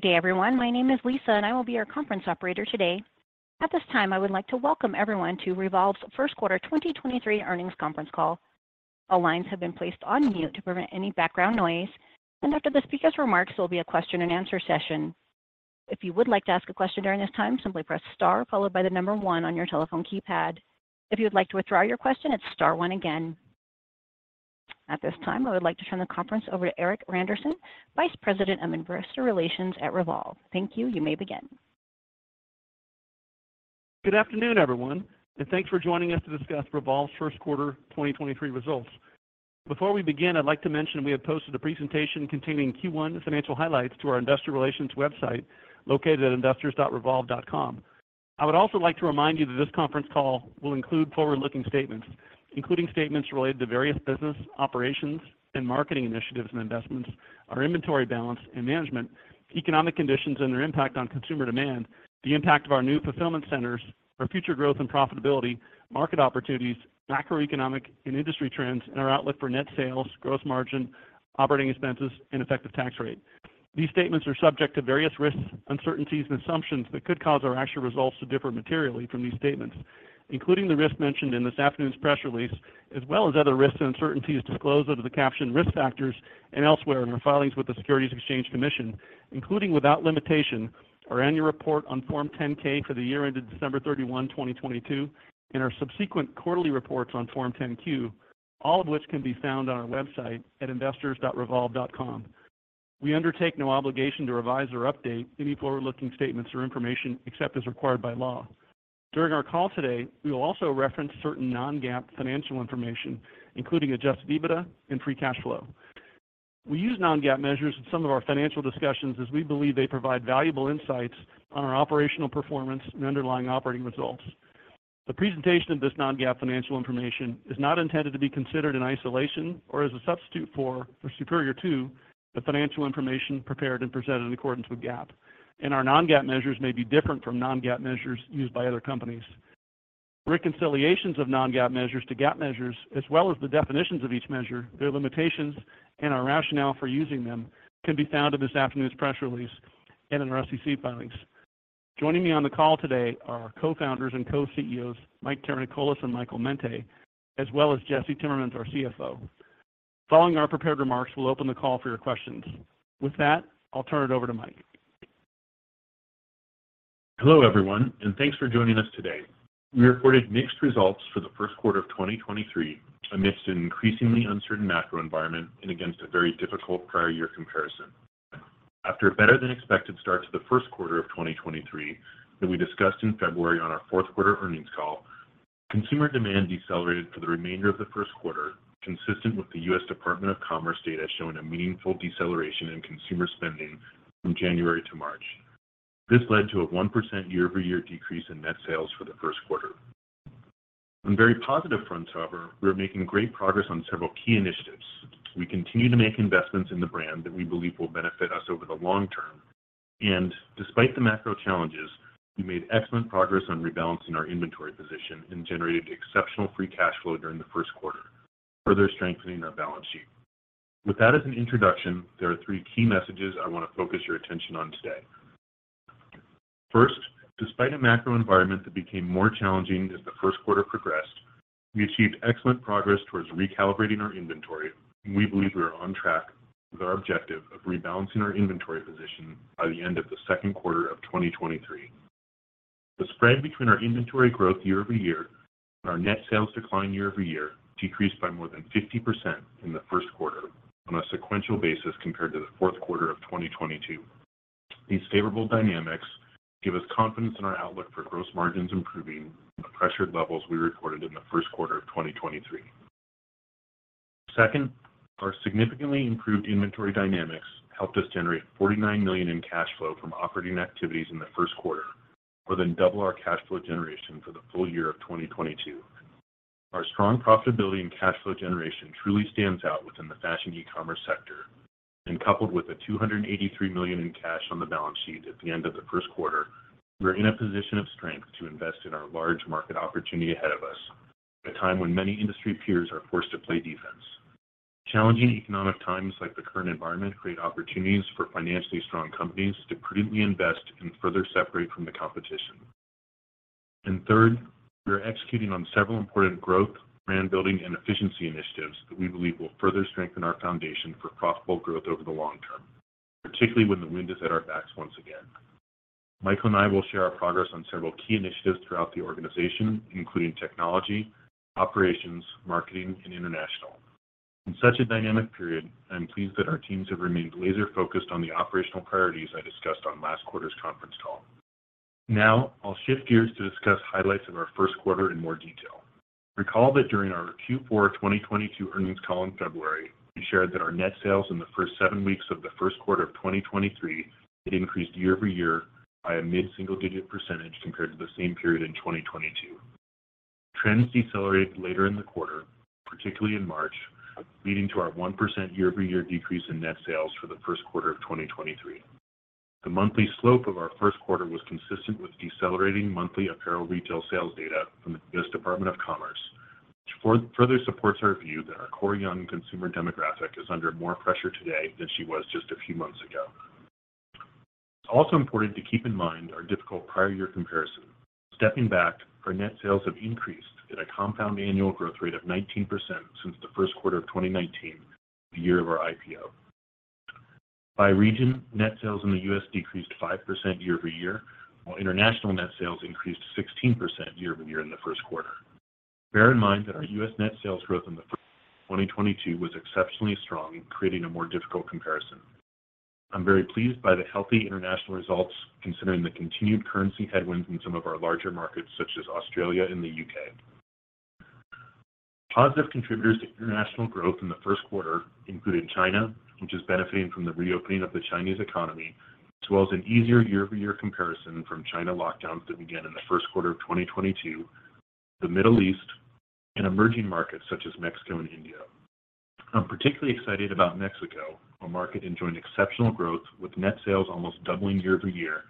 Good day, everyone. My name is Lisa. I will be your conference operator today. At this time, I would like to welcome everyone to Revolve's first quarter 2023 earnings conference call. All lines have been placed on mute to prevent any background noise. After the speaker's remarks, there'll be a question and answer session. If you would like to ask a question during this time, simply press star followed by one on your telephone keypad. If you would like to withdraw your question, it's star one again. At this time, I would like to turn the conference over to Erik Randerson, Vice President of Investor Relations at Revolve. Thank you. You may begin. Good afternoon, everyone, thanks for joining us to discuss Revolve's first quarter 2023 results. Before we begin, I'd like to mention we have posted a presentation containing Q1 financial highlights to our investor relations website, located at investors.revolve.com. I would also like to remind you that this conference call will include forward-looking statements, including statements related to various business operations and marketing initiatives and investments, our inventory balance and management, economic conditions and their impact on consumer demand, the impact of our new fulfillment centers, our future growth and profitability, market opportunities, macroeconomic and industry trends, and our outlook for net sales, gross margin, operating expenses, and effective tax rate. These statements are subject to various risks, uncertainties and assumptions that could cause our actual results to differ materially from these statements, including the risks mentioned in this afternoon's press release, as well as other risks and uncertainties disclosed under the caption Risk Factors and elsewhere in our filings with the Securities Exchange Commission, including, without limitation, our annual report on Form 10-K for the year ended December 31, 2022, and our subsequent quarterly reports on Form 10-Q, all of which can be found on our website at investors.revolve.com. We undertake no obligation to revise or update any forward-looking statements or information except as required by law. During our call today, we will also reference certain non-GAAP financial information, including Adjusted EBITDA and free cash flow. We use non-GAAP measures in some of our financial discussions as we believe they provide valuable insights on our operational performance and underlying operating results. The presentation of this non-GAAP financial information is not intended to be considered in isolation or as a substitute for or superior to the financial information prepared and presented in accordance with GAAP. Our non-GAAP measures may be different from non-GAAP measures used by other companies. Reconciliations of non-GAAP measures to GAAP measures as well as the definitions of each measure, their limitations and our rationale for using them, can be found in this afternoon's press release and in our SEC filings. Joining me on the call today are our co-founders and co-CEOs, Mike Karanikolas and Michael Mente, as well as Jesse Timmermans, our CFO. Following our prepared remarks, we'll open the call for your questions. With that, I'll turn it over to Mike. Hello, everyone. Thanks for joining us today. We reported mixed results for the first quarter of 2023 amidst an increasingly uncertain macro environment and against a very difficult prior year comparison. After a better than expected start to the first quarter of 2023 that we discussed in February on our fourth quarter earnings call, consumer demand decelerated for the remainder of the first quarter, consistent with the U.S. Department of Commerce data showing a meaningful deceleration in consumer spending from January to March. This led to a 1% year-over-year decrease in net sales for the first quarter. On very positive fronts, however, we are making great progress on several key initiatives. We continue to make investments in the brand that we believe will benefit us over the long term. Despite the macro challenges, we made excellent progress on rebalancing our inventory position and generated exceptional free cash flow during the first quarter, further strengthening our balance sheet. With that as an introduction, there are three key messages I wanna focus your attention on today. First, despite a macro environment that became more challenging as the first quarter progressed, we achieved excellent progress towards recalibrating our inventory, and we believe we are on track with our objective of rebalancing our inventory position by the end of the second quarter of 2023. The spread between our inventory growth year-over-year and our net sales decline year-over-year decreased by more than 50% in the first quarter on a sequential basis compared to the fourth quarter of 2022. These favorable dynamics give us confidence in our outlook for gross margins improving from the pressured levels we recorded in the first quarter of 2023. Second, our significantly improved inventory dynamics helped us generate $49 million in cash flow from operating activities in the first quarter. More than double our cash flow generation for the full year of 2022. Our strong profitability and cash flow generation truly stands out within the fashion e-commerce sector. Coupled with the $283 million in cash on the balance sheet at the end of the first quarter, we're in a position of strength to invest in our large market opportunity ahead of us, at a time when many industry peers are forced to play defense. Challenging economic times like the current environment create opportunities for financially strong companies to prudently invest and further separate from the competition. Third, we are executing on several important growth, brand building, and efficiency initiatives that we believe will further strengthen our foundation for profitable growth over the long term, particularly when the wind is at our backs once again. Michael and I will share our progress on several key initiatives throughout the organization, including technology, operations, marketing, and international. In such a dynamic period, I am pleased that our teams have remained laser-focused on the operational priorities I discussed on last quarter's conference call. I'll shift gears to discuss highlights of our first quarter in more detail. Recall that during our Q4 2022 earnings call in February, we shared that our net sales in the first seven weeks of the first quarter of 2023 had increased year-over-year by a mid-single-digit percentage compared to the same period in 2022. Trends decelerated later in the quarter, particularly in March, leading to our 1% year-over-year decrease in net sales for the first quarter of 2023. The monthly slope of our first quarter was consistent with decelerating monthly apparel retail sales data from the U.S. Department of Commerce, which further supports our view that our core young consumer demographic is under more pressure today than she was just a few months ago. It's also important to keep in mind our difficult prior year comparison. Stepping back, our net sales have increased at a compound annual growth rate of 19% since the first quarter of 2019, the year of our IPO. By region, net sales in the U.S. decreased 5% year-over-year, while international net sales increased 16% year-over-year in the first quarter. Bear in mind that our U.S. net sales growth in the first quarter of 2022 was exceptionally strong, creating a more difficult comparison. I'm very pleased by the healthy international results, considering the continued currency headwinds in some of our larger markets, such as Australia and the U.K. Positive contributors to international growth in the first quarter included China, which is benefiting from the reopening of the Chinese economy, as well as an easier year-over-year comparison from China lockdowns that began in the first quarter of 2022, the Middle East, and emerging markets such as Mexico and India. I'm particularly excited about Mexico, our market enjoying exceptional growth with net sales almost doubling year-over-year,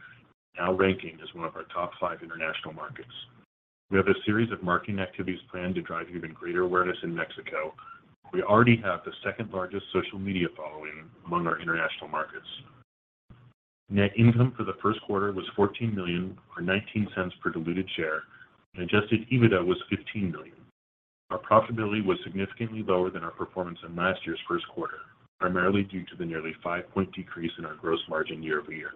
now ranking as one of our top five international markets. We have a series of marketing activities planned to drive even greater awareness in Mexico. We already have the second largest social media following among our international markets. Net income for the first quarter was $14 million or $0.19 per diluted share, and Adjusted EBITDA was $15 million. Our profitability was significantly lower than our performance in last year's first quarter, primarily due to the nearly five-point decrease in our gross margin year-over-year.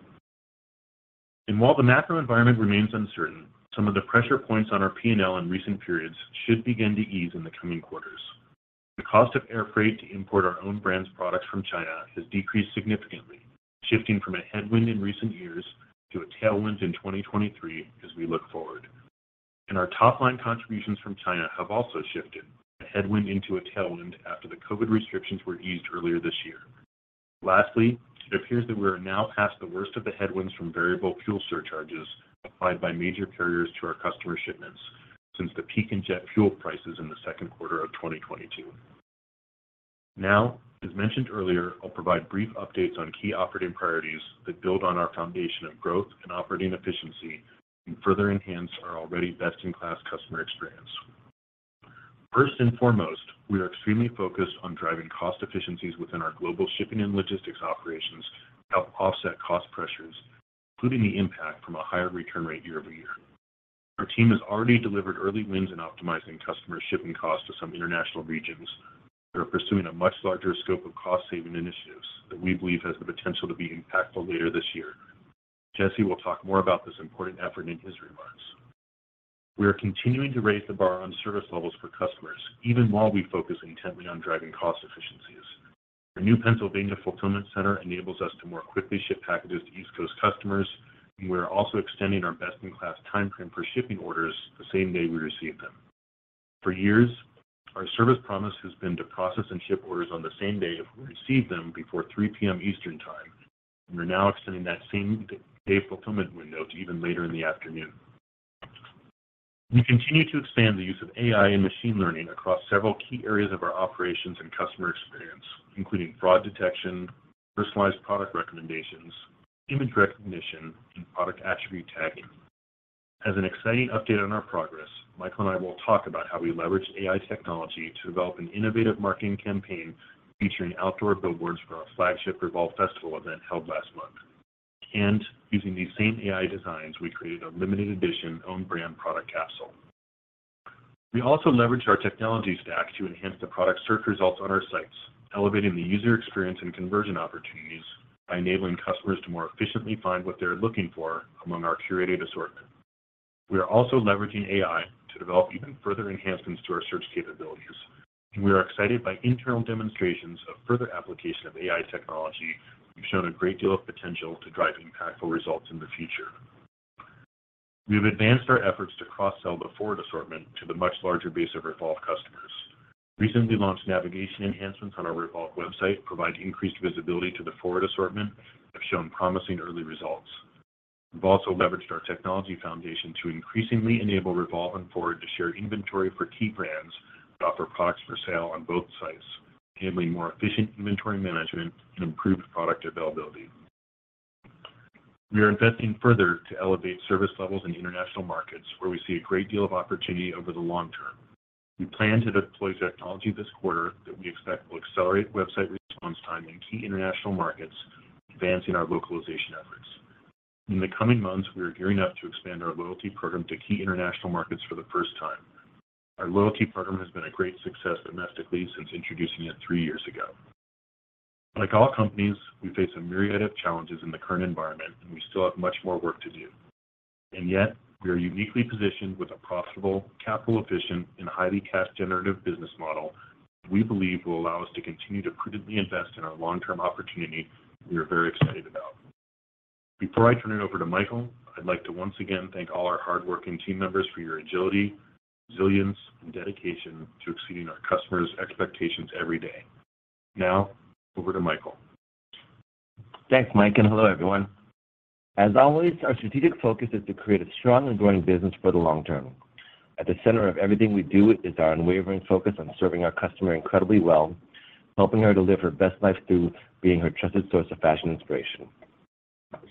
While the macro environment remains uncertain, some of the pressure points on our P&L in recent periods should begin to ease in the coming quarters. The cost of air freight to import our own brands products from China has decreased significantly, shifting from a headwind in recent years to a tailwind in 2023 as we look forward. Our top line contributions from China have also shifted from a headwind into a tailwind after the COVID restrictions were eased earlier this year. Lastly, it appears that we are now past the worst of the headwinds from variable fuel surcharges applied by major carriers to our customer shipments since the peak in jet fuel prices in the second quarter of 2022. As mentioned earlier, I'll provide brief updates on key operating priorities that build on our foundation of growth and operating efficiency and further enhance our already best-in-class customer experience. We are extremely focused on driving cost efficiencies within our global shipping and logistics operations to help offset cost pressures, including the impact from a higher return rate year-over-year. Our team has already delivered early wins in optimizing customer shipping costs to some international regions. They are pursuing a much larger scope of cost-saving initiatives that we believe has the potential to be impactful later this year. Jesse will talk more about this important effort in his remarks. We are continuing to raise the bar on service levels for customers, even while we focus intently on driving cost efficiencies. Our new Pennsylvania fulfillment center enables us to more quickly ship packages to East Coast customers, and we're also extending our best in class timeframe for shipping orders the same day we receive them. For years, our service promise has been to process and ship orders on the same day if we receive them before 3:00 P.M. Eastern Time, and we're now extending that same day fulfillment window to even later in the afternoon. We continue to expand the use of AI and machine learning across several key areas of our operations and customer experience, including fraud detection, personalized product recommendations, image recognition, and product attribute tagging. As an exciting update on our progress, Michael and I will talk about how we leveraged AI technology to develop an innovative marketing campaign featuring outdoor billboards for our flagship REVOLVE Festival event held last month. Using these same AI designs, we created a limited edition own brand product capsule. We also leveraged our technology stack to enhance the product search results on our sites, elevating the user experience and conversion opportunities by enabling customers to more efficiently find what they're looking for among our curated assortment. We are also leveraging AI to develop even further enhancements to our search capabilities, and we are excited by internal demonstrations of further application of AI technology, which have shown a great deal of potential to drive impactful results in the future. We have advanced our efforts to cross-sell the FWRD assortment to the much larger base of REVOLVE customers. Recently launched navigation enhancements on our Revolve website provide increased visibility to the FWRD assortment, have shown promising early results. We've also leveraged our technology foundation to increasingly enable REVOLVE and FWRD to share inventory for key brands that offer products for sale on both sites, handling more efficient inventory management and improved product availability. We are investing further to elevate service levels in international markets, where we see a great deal of opportunity over the long term. We plan to deploy technology this quarter that we expect will accelerate website response time in key international markets, advancing our localization efforts. In the coming months, we are gearing up to expand our loyalty program to key international markets for the first time. Our loyalty program has been a great success domestically since introducing it three years ago. Like all companies, we face a myriad of challenges in the current environment, and we still have much more work to do. Yet, we are uniquely positioned with a profitable, capital efficient, and highly cash generative business model that we believe will allow us to continue to prudently invest in our long-term opportunity we are very excited about. Before I turn it over to Michael, I'd like to once again thank all our hardworking team members for your agility, resilience, and dedication to exceeding our customers' expectations every day. Over to Michael. Thanks, Mike. Hello, everyone. As always, our strategic focus is to create a strong and growing business for the long term. At the center of everything we do is our unwavering focus on serving our customer incredibly well, helping her to live her best life through being her trusted source of fashion inspiration.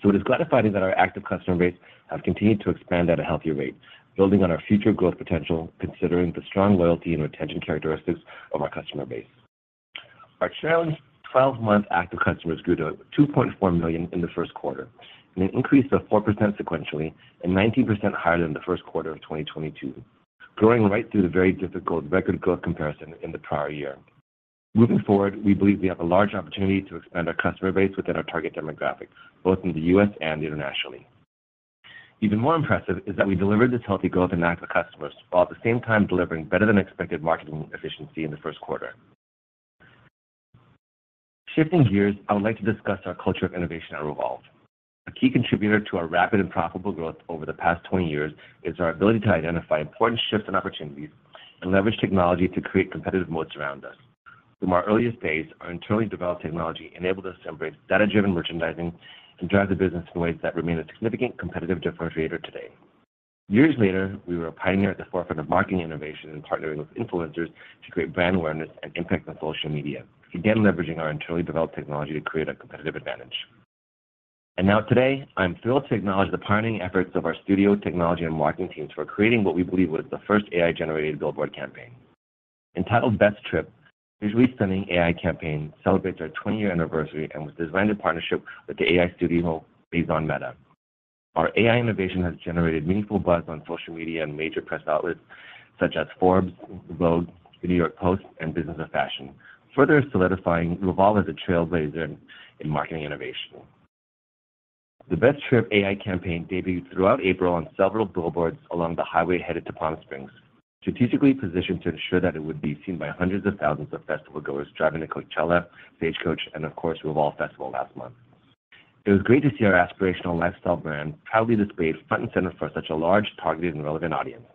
It is gratifying that our active customer base have continued to expand at a healthier rate, building on our future growth potential, considering the strong loyalty and retention characteristics of our customer base. Our trailing twelve-month active customers grew to $2.4 million in the first quarter in an increase of 4% sequentially and 19% higher than the first quarter of 2022, growing right through the very difficult record growth comparison in the prior year. Moving forward, we believe we have a large opportunity to expand our customer base within our target demographics, both in the U.S. and internationally. Even more impressive is that we delivered this healthy growth in active customers, while at the same time delivering better than expected marketing efficiency in the first quarter. Shifting gears, I would like to discuss our culture of innovation at REVOLVE. A key contributor to our rapid and profitable growth over the past 20 years is our ability to identify important shifts and opportunities and leverage technology to create competitive moats around us. From our earliest days, our internally developed technology enabled us to embrace data-driven merchandising and drive the business in ways that remain a significant competitive differentiator today. Years later, we were a pioneer at the forefront of marketing innovation and partnering with influencers to create brand awareness and impact on social media, again, leveraging our internally developed technology to create a competitive advantage. Now today, I'm thrilled to acknowledge the pioneering efforts of our studio, technology and marketing teams for creating what we believe was the first AI-generated billboard campaign. Entitled Best Trip, visually stunning AI campaign celebrates our 20-year anniversary and was designed in partnership with the AI studio based on Meta. Our AI innovation has generated meaningful buzz on social media and major press outlets such as Forbes, Vogue, the New York Post and The Business of Fashion, further solidifying REVOLVE as a trailblazer in marketing innovation. The Best Trip AI campaign debuted throughout April on several billboards along the highway headed to Palm Springs, strategically positioned to ensure that it would be seen by hundreds of thousands of festival goers driving to Coachella, Stagecoach, and of course, REVOLVE Festival last month. It was great to see our aspirational lifestyle brand proudly displayed front and center for such a large, targeted and relevant audience.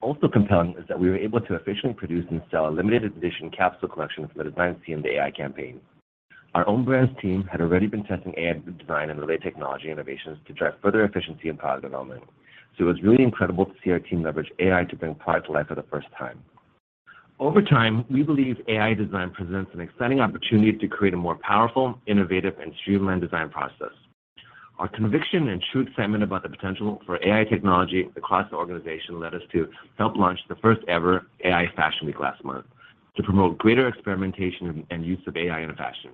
Also compelling is that we were able to efficiently produce and sell a limited edition capsule collection from the designs seen in the AI campaign. Our own brands team had already been testing AI design and related technology innovations to drive further efficiency and product development, so it was really incredible to see our team leverage AI to bring product to life for the first time. Over time, we believe AI design presents an exciting opportunity to create a more powerful, innovative and streamlined design process. Our conviction and true excitement about the potential for AI technology across the organization led us to help launch the first-ever AI Fashion Week last month to promote greater experimentation and use of AI in fashion.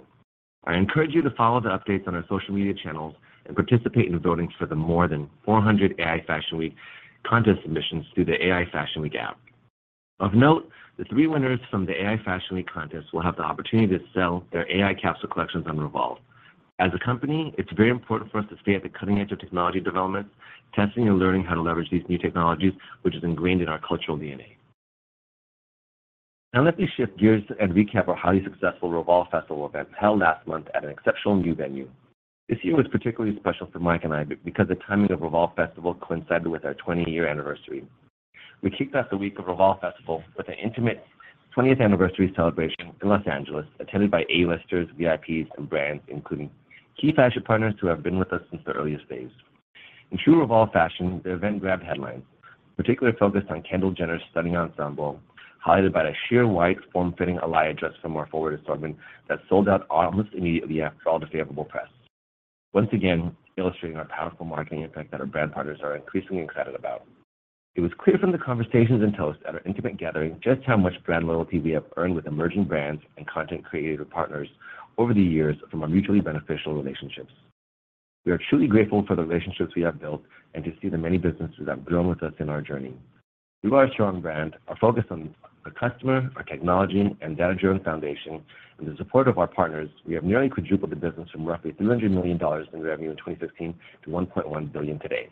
I encourage you to follow the updates on our social media channels and participate in the votings for the more than 400 AI Fashion Week contest submissions through the AI Fashion Week app. Of note, the three winners from the AI Fashion Week contest will have the opportunity to sell their AI capsule collections on REVOLVE. As a company, it's very important for us to stay at the cutting edge of technology development, testing and learning how to leverage these new technologies, which is ingrained in our cultural DNA. Now let me shift gears and recap our highly successful REVOLVE Festival event held last month at an exceptional new venue. This year was particularly special for Mike and I because the timing of REVOLVE Festival coincided with our 20-year anniversary. We kicked off the week of REVOLVE Festival with an intimate 20th anniversary celebration in Los Angeles, attended by A-listers, VIPs and brands, including key fashion partners who have been with us since the earliest days. In true REVOLVE fashion, the event grabbed headlines, particularly focused on Kendall Jenner's stunning ensemble, highlighted by a sheer white form-fitting Alaïa dress from our FWRD assortment that sold out almost immediately after all the favorable press. Once again, illustrating our powerful marketing impact that our brand partners are increasingly excited about. It was clear from the conversations and toasts at our intimate gathering just how much brand loyalty we have earned with emerging brands and content creator partners over the years from our mutually beneficial relationships. We are truly grateful for the relationships we have built and to see the many businesses that have grown with us in our journey. Through our strong brand, our focus on the customer, our technology and data-driven foundation, and the support of our partners, we have nearly quadrupled the business from roughly $300 million in revenue in 2015 to $1.1 billion today.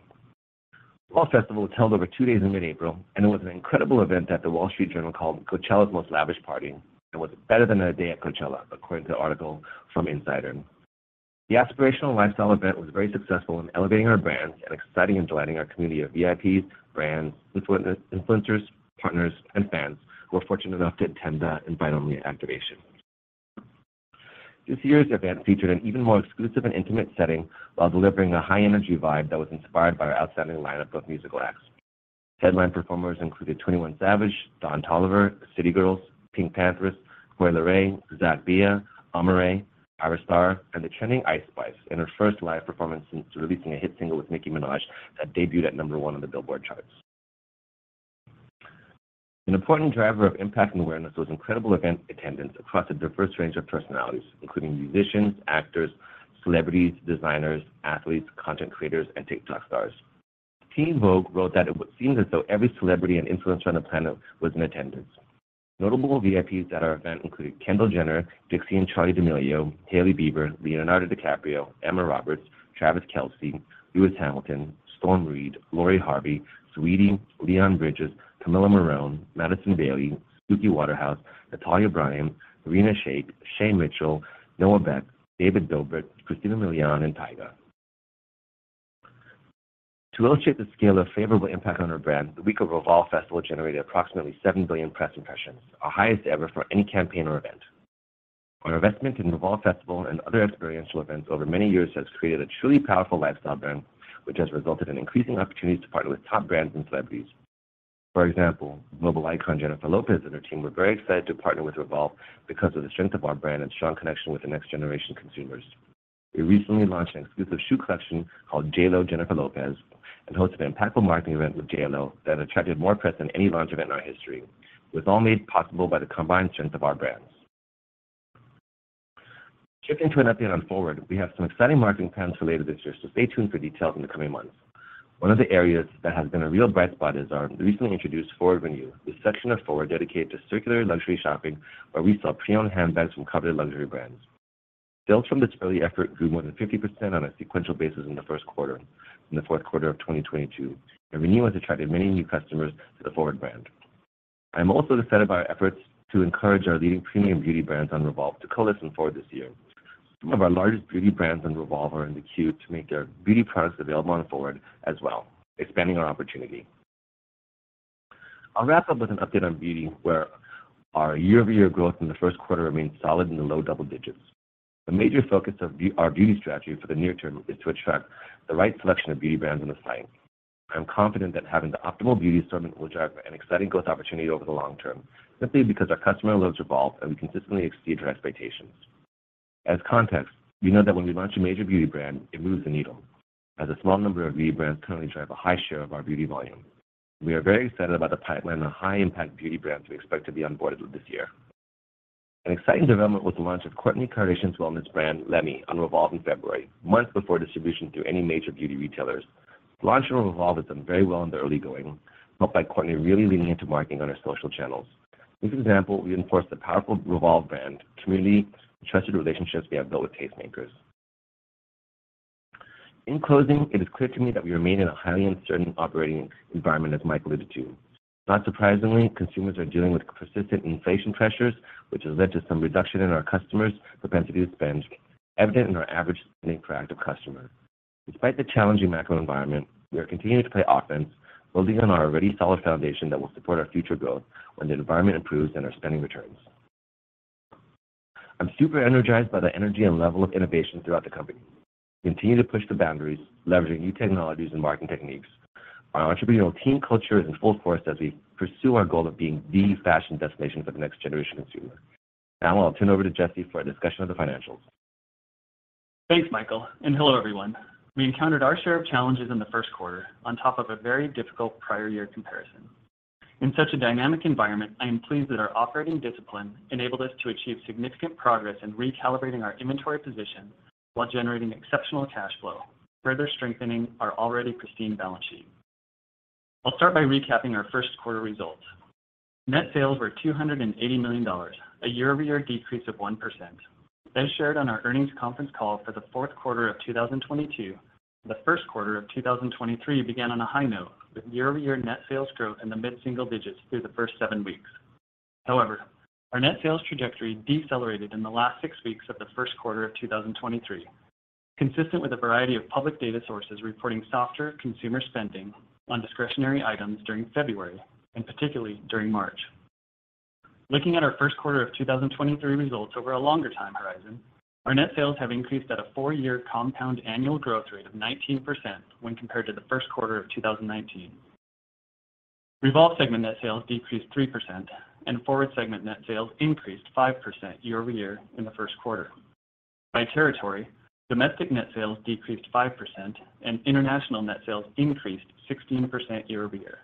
REVOLVE Festival was held over two days in mid-April, and it was an incredible event that The Wall Street Journal called Coachella's most lavish party, and was better than a day at Coachella, according to an article from Insider. The aspirational lifestyle event was very successful in elevating our brand and exciting and delighting our community of VIPs, brands, influencers, partners and fans who were fortunate enough to attend the invite-only activation. This year's event featured an even more exclusive and intimate setting while delivering a high energy vibe that was inspired by our outstanding lineup of musical acts. Headline performers included 21 Savage, Don Toliver, City Girls, PinkPantheress, Coi Leray, Zack Bia, Amaarae, Ayra Starr, and the trending Ice Spice in her first live performance since releasing a hit single with Nicki Minaj that debuted at number one on the Billboard charts. An important driver of impact and awareness was incredible event attendance across a diverse range of personalities, including musicians, actors, celebrities, designers, athletes, content creators, and TikTok stars. Teen Vogue wrote that it would seem as though every celebrity and influencer on the planet was in attendance. Notable VIPs at our event included Kendall Jenner, Dixie and Charli D'Amelio, Hailey Bieber, Leonardo DiCaprio, Emma Roberts, Travis Kelce, Lewis Hamilton, Storm Reid, Lori Harvey, Saweetie, Leon Bridges, Camila Morrone, Madison Bailey, Suki Waterhouse, Natalia Bryant, Irina Shayk, Shay Mitchell, Noah Beck, David Dobrik, Christina Milian, and Tyga. To illustrate the scale of favorable impact on our brand, the week of REVOLVE Festival generated approximately 7 billion press impressions, our highest ever for any campaign or event. Our investment in REVOLVE Festival and other experiential events over many years has created a truly powerful lifestyle brand, which has resulted in increasing opportunities to partner with top brands and celebrities. Global icon Jennifer Lopez and her team were very excited to partner with REVOLVE because of the strength of our brand and strong connection with the next generation consumers. We recently launched an exclusive shoe collection called JLO Jennifer Lopez, and hosted an impactful marketing event with JLO that attracted more press than any launch event in our history. It was all made possible by the combined strength of our brands. Shifting to an update on FWRD, we have some exciting marketing plans related this year, so stay tuned for details in the coming months. One of the areas that has been a real bright spot is our recently introduced FWRD Renew, the section of FWRD dedicated to circular luxury shopping, where we sell pre-owned handbags from coveted luxury brands. Sales from this early effort grew more than 50% on a sequential basis in the first quarter from the fourth quarter of 2022, Renew has attracted many new customers to the FWRD brand. I'm also excited by our efforts to encourage our leading premium beauty brands on REVOLVE to co-list in FWRD this year. Some of our largest beauty brands on REVOLVE are in the queue to make their beauty products available on FWRD as well, expanding our opportunity. I'll wrap up with an update on beauty, where our year-over-year growth in the first quarter remains solid in the low double digits. Our beauty strategy for the near term is to attract the right selection of beauty brands on the site. I'm confident that having the optimal beauty store will drive an exciting growth opportunity over the long term, simply because our customer loves REVOLVE and we consistently exceed her expectations. Context, we know that when we launch a major beauty brand, it moves the needle. A small number of beauty brands currently drive a high share of our beauty volume. We are very excited about the pipeline of high-impact beauty brands we expect to be onboarded this year. An exciting development was the launch of Kourtney Kardashian's wellness brand, Lemme, on REVOLVE in February, months before distribution through any major beauty retailers. Launch on REVOLVE has done very well in the early going, helped by Kourtney really leaning into marketing on her social channels. This example reinforce the powerful REVOLVE brand, community, trusted relationships we have built with tastemakers. In closing, it is clear to me that we remain in a highly uncertain operating environment, as Mike alluded to. Not surprisingly, consumers are dealing with persistent inflation pressures, which has led to some reduction in our customers propensity to spend, evident in our average spending per active customer. Despite the challenging macro environment, we are continuing to play offense, building on our already solid foundation that will support our future growth when the environment improves and our spending returns. I'm super energized by the energy and level of innovation throughout the company. Continue to push the boundaries, leveraging new technologies and marketing techniques. Our entrepreneurial team culture is in full force as we pursue our goal of being the fashion destination for the next generation consumer. Now I'll turn over to Jesse for a discussion of the financials. Thanks, Michael. Hello, everyone. We encountered our share of challenges in the first quarter on top of a very difficult prior year comparison. In such a dynamic environment, I am pleased that our operating discipline enabled us to achieve significant progress in recalibrating our inventory position while generating exceptional cash flow, further strengthening our already pristine balance sheet. I'll start by recapping our first quarter results. Net sales were $280 million, a year-over-year decrease of 1%. As shared on our earnings conference call for the fourth quarter of 2022, the first quarter of 2023 began on a high note, with year-over-year net sales growth in the mid single digits through the first seven weeks. Our net sales trajectory decelerated in the last six weeks of the first quarter of 2023, consistent with a variety of public data sources reporting softer consumer spending on discretionary items during February, and particularly during March. Looking at our first quarter of 2023 results over a longer time horizon, our net sales have increased at a four-year compound annual growth rate of 19% when compared to the first quarter of 2019. REVOLVE segment net sales decreased 3%, and FWRD segment net sales increased 5% year-over-year in the first quarter. By territory, domestic net sales decreased 5%, and international net sales increased 16% year-over-year.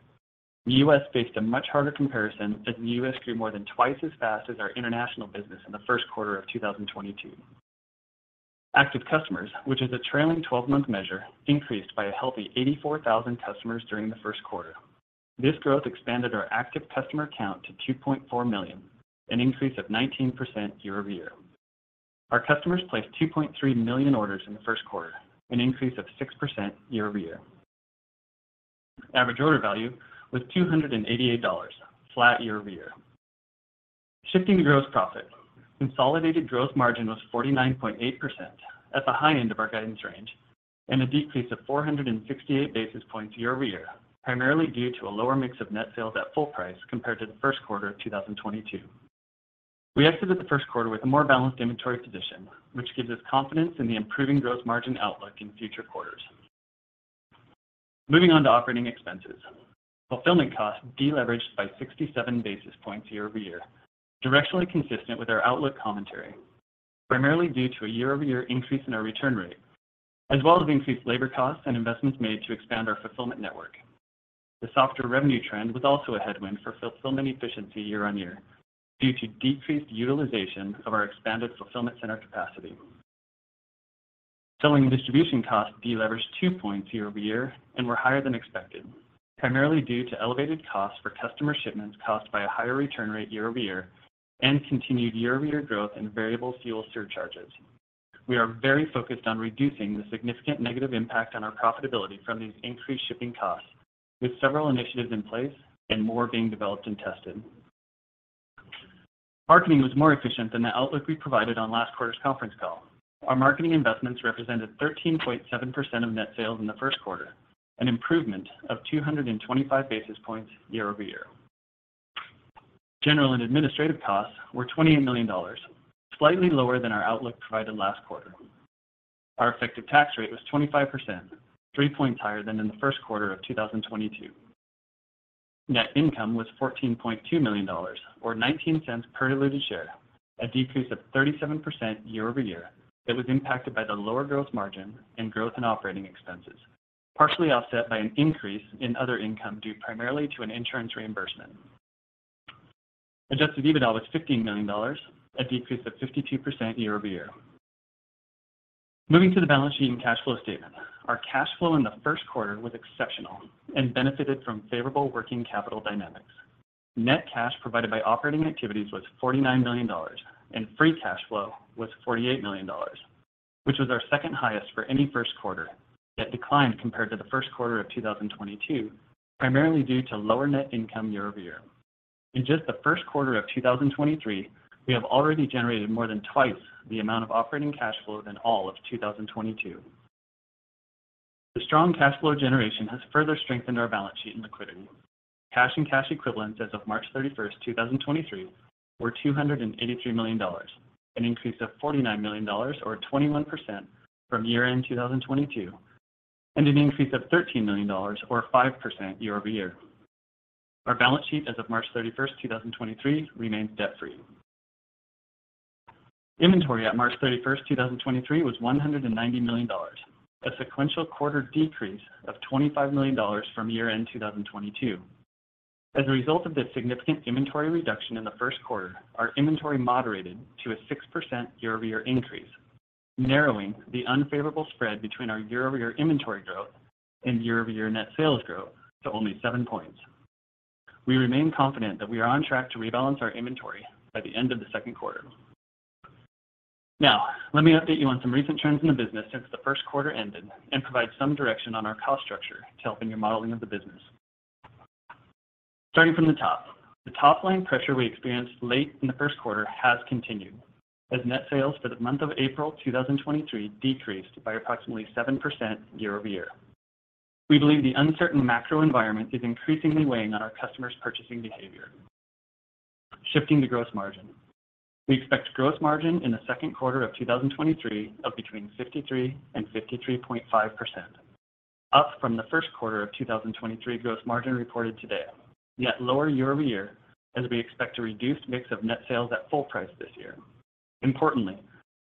The U.S. faced a much harder comparison as the U.S. grew more than twice as fast as our international business in the first quarter of 2022. Active customers, which is a trailing 12-month measure, increased by a healthy 84,000 customers during the first quarter. This growth expanded our active customer count to 2.4 million, an increase of 19% year-over-year. Our customers placed 2.3 million orders in the first quarter, an increase of 6% year-over-year. Average order value was $288, flat year-over-year. Shifting to gross profit. Consolidated gross margin was 49.8% at the high end of our guidance range, and a decrease of 468 basis points year-over-year, primarily due to a lower mix of net sales at full price compared to the first quarter of 2022. We exited the first quarter with a more balanced inventory position, which gives us confidence in the improving gross margin outlook in future quarters. Moving on to operating expenses. Fulfillment costs deleveraged by 67 basis points year-over-year, directionally consistent with our outlook commentary, primarily due to a year-over-year increase in our return rate, as well as increased labor costs and investments made to expand our fulfillment network. The softer revenue trend was also a headwind for fulfillment efficiency year-on-year due to decreased utilization of our expanded fulfillment center capacity. Selling and distribution costs deleveraged two points year-over-year and were higher than expected, primarily due to elevated costs for customer shipments caused by a higher return rate year-over-year and continued year-over-year growth in variable fuel surcharges. We are very focused on reducing the significant negative impact on our profitability from these increased shipping costs with several initiatives in place and more being developed and tested. Marketing was more efficient than the outlook we provided on last quarter's conference call. Our marketing investments represented 13.7% of net sales in the first quarter, an improvement of 225 basis points year-over-year. General and administrative costs were $28 million, slightly lower than our outlook provided last quarter. Our effective tax rate was 25%, 3 points higher than in the first quarter of 2022. Net income was $14.2 million or $0.19 per diluted share, a decrease of 37% year-over-year that was impacted by the lower gross margin and growth in operating expenses, partially offset by an increase in other income due primarily to an insurance reimbursement. Adjusted EBITDA was $15 million, a decrease of 52% year-over-year. Moving to the balance sheet and cash flow statement. Our cash flow in the first quarter was exceptional and benefited from favorable working capital dynamics. Net cash provided by operating activities was $49 million, and free cash flow was $48 million, which was our second highest for any first quarter, yet declined compared to the first quarter of 2022, primarily due to lower net income year-over-year. In just the first quarter of 2023, we have already generated more than twice the amount of operating cash flow than all of 2022. The strong cash flow generation has further strengthened our balance sheet and liquidity. Cash and cash equivalents as of March 31st, 2023 were $283 million, an increase of $49 million or 21% from year end 2022, and an increase of $13 million or 5% year-over-year. Our balance sheet as of March 31st, 2023 remains debt-free. Inventory at March 31st, 2023 was $190 million, a sequential quarter decrease of $25 million from year-end 2022. As a result of this significant inventory reduction in the first quarter, our inventory moderated to a 6% year-over-year increase, narrowing the unfavorable spread between our year-over-year inventory growth and year-over-year net sales growth to only seven points. We remain confident that we are on track to rebalance our inventory by the end of the second quarter. Let me update you on some recent trends in the business since the first quarter ended and provide some direction on our cost structure to help in your modeling of the business. Starting from the top. The top line pressure we experienced late in the first quarter has continued as net sales for the month of April 2023 decreased by approximately 7% year-over-year. We believe the uncertain macro environment is increasingly weighing on our customers' purchasing behavior. Shifting to gross margin. We expect gross margin in the second quarter of 2023 of between 53% and 53.5%, up from the first quarter of 2023 gross margin reported today, yet lower year-over-year as we expect a reduced mix of net sales at full price this year. Importantly,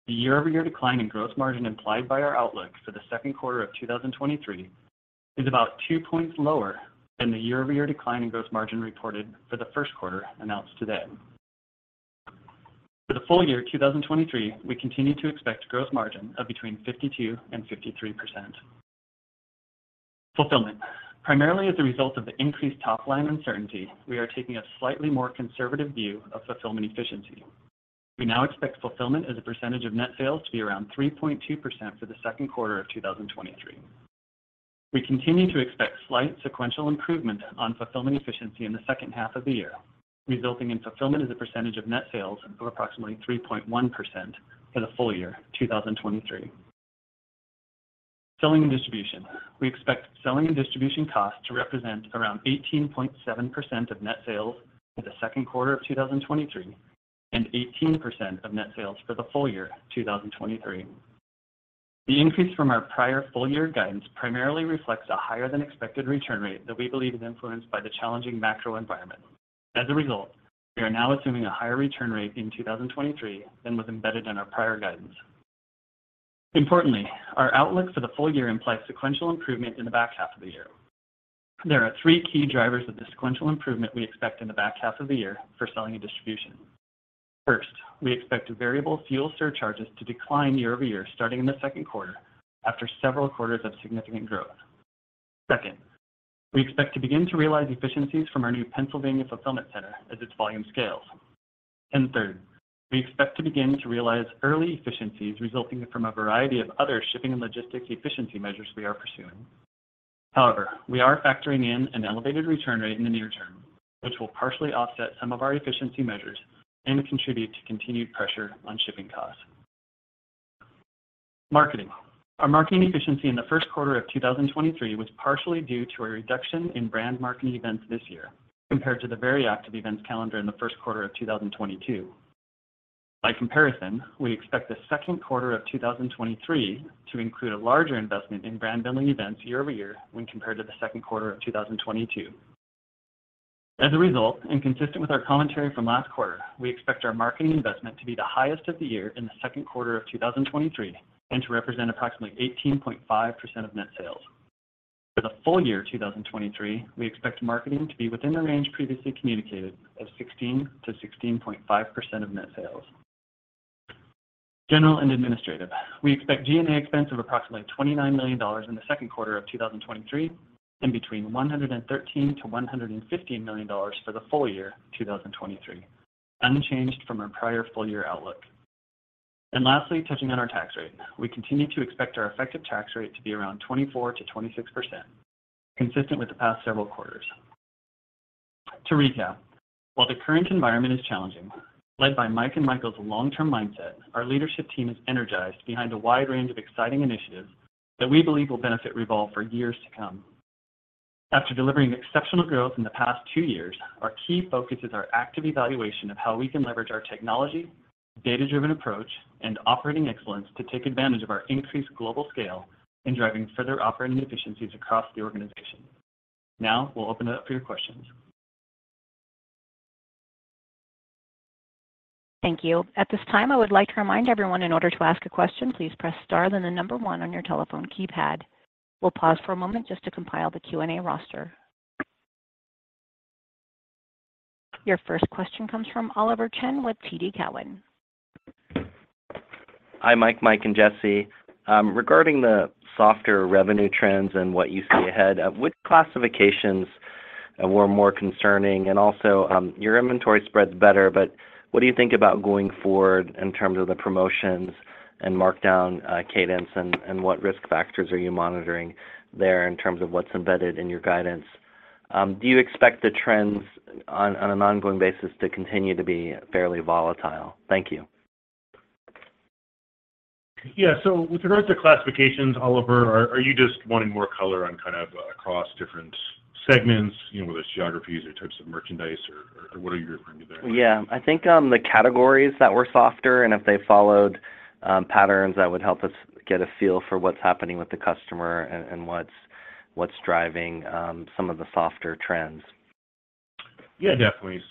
the year-over-year decline in gross margin implied by our outlook for the second quarter of 2023 is about two points lower than the year-over-year decline in gross margin reported for the first quarter announced today. For the full year 2023, we continue to expect gross margin of between 52% and 53%. Fulfillment. Primarily as a result of the increased top-line uncertainty, we are taking a slightly more conservative view of fulfillment efficiency. We now expect fulfillment as a percentage of net sales to be around 3.2% for the second quarter of 2023. We continue to expect slight sequential improvement on fulfillment efficiency in the second half of the year, resulting in fulfillment as a percentage of net sales of approximately 3.1% for the full year 2023. Selling and distribution. We expect selling and distribution costs to represent around 18.7% of net sales for the second quarter of 2023, and 18% of net sales for the full year 2023. The increase from our prior full year guidance primarily reflects a higher than expected return rate that we believe is influenced by the challenging macro environment. As a result, we are now assuming a higher return rate in 2023 than was embedded in our prior guidance. Importantly, our outlook for the full year implies sequential improvement in the back half of the year. There are three key drivers of the sequential improvement we expect in the back half of the year for selling and distribution. First, we expect variable fuel surcharges to decline year-over-year starting in the second quarter after several quarters of significant growth. Second, we expect to begin to realize efficiencies from our new Pennsylvania fulfillment center as its volume scales. Third, we expect to begin to realize early efficiencies resulting from a variety of other shipping and logistics efficiency measures we are pursuing. However, we are factoring in an elevated return rate in the near term, which will partially offset some of our efficiency measures and contribute to continued pressure on shipping costs. Marketing. Our marketing efficiency in the first quarter of 2023 was partially due to a reduction in brand marketing events this year compared to the very active events calendar in the first quarter of 2022. By comparison, we expect the second quarter of 2023 to include a larger investment in brand-building events year-over-year when compared to the second quarter of 2022. As a result, and consistent with our commentary from last quarter, we expect our marketing investment to be the highest of the year in the second quarter of 2023, and to represent approximately 18.5% of net sales. For the full year 2023, we expect marketing to be within the range previously communicated of 16%-16.5% of net sales. General and Administrative. We expect G&A expense of approximately $29 million in the second quarter of 2023, and between $113 million-$115 million for the full year 2023, unchanged from our prior full year outlook. Lastly, touching on our tax rate. We continue to expect our effective tax rate to be around 24%-26%, consistent with the past several quarters. To recap, while the current environment is challenging, led by Mike and Michael's long-term mindset, our leadership team is energized behind a wide range of exciting initiatives that we believe will benefit REVOLVE for years to come. After delivering exceptional growth in the past two years, our key focus is our active evaluation of how we can leverage our technology, data-driven approach, and operating excellence to take advantage of our increased global scale in driving further operating efficiencies across the organization. Now we'll open it up for your questions. Thank you. At this time, I would like to remind everyone in order to ask a question, please press star, then the one on your telephone keypad. We'll pause for a moment just to compile the Q&A roster. Your first question comes from Oliver Chen with TD Cowen. Hi, Mike, Michael and Jesse. Regarding the softer revenue trends and what you see ahead, which classifications were more concerning? Also, your inventory spread's better, but what do you think about going forward in terms of the promotions and markdown cadence, and what risk factors are you monitoring there in terms of what's embedded in your guidance? Do you expect the trends on an ongoing basis to continue to be fairly volatile? Thank you. Yeah. With regards to classifications, Oliver, are you just wanting more color on kind of across different segments, you know, whether it's geographies or types of merchandise or what are you referring to there? Yeah. I think, the categories that were softer and if they followed, patterns that would help us get a feel for what's happening with the customer and what's driving, some of the softer trends. Yeah, definitely.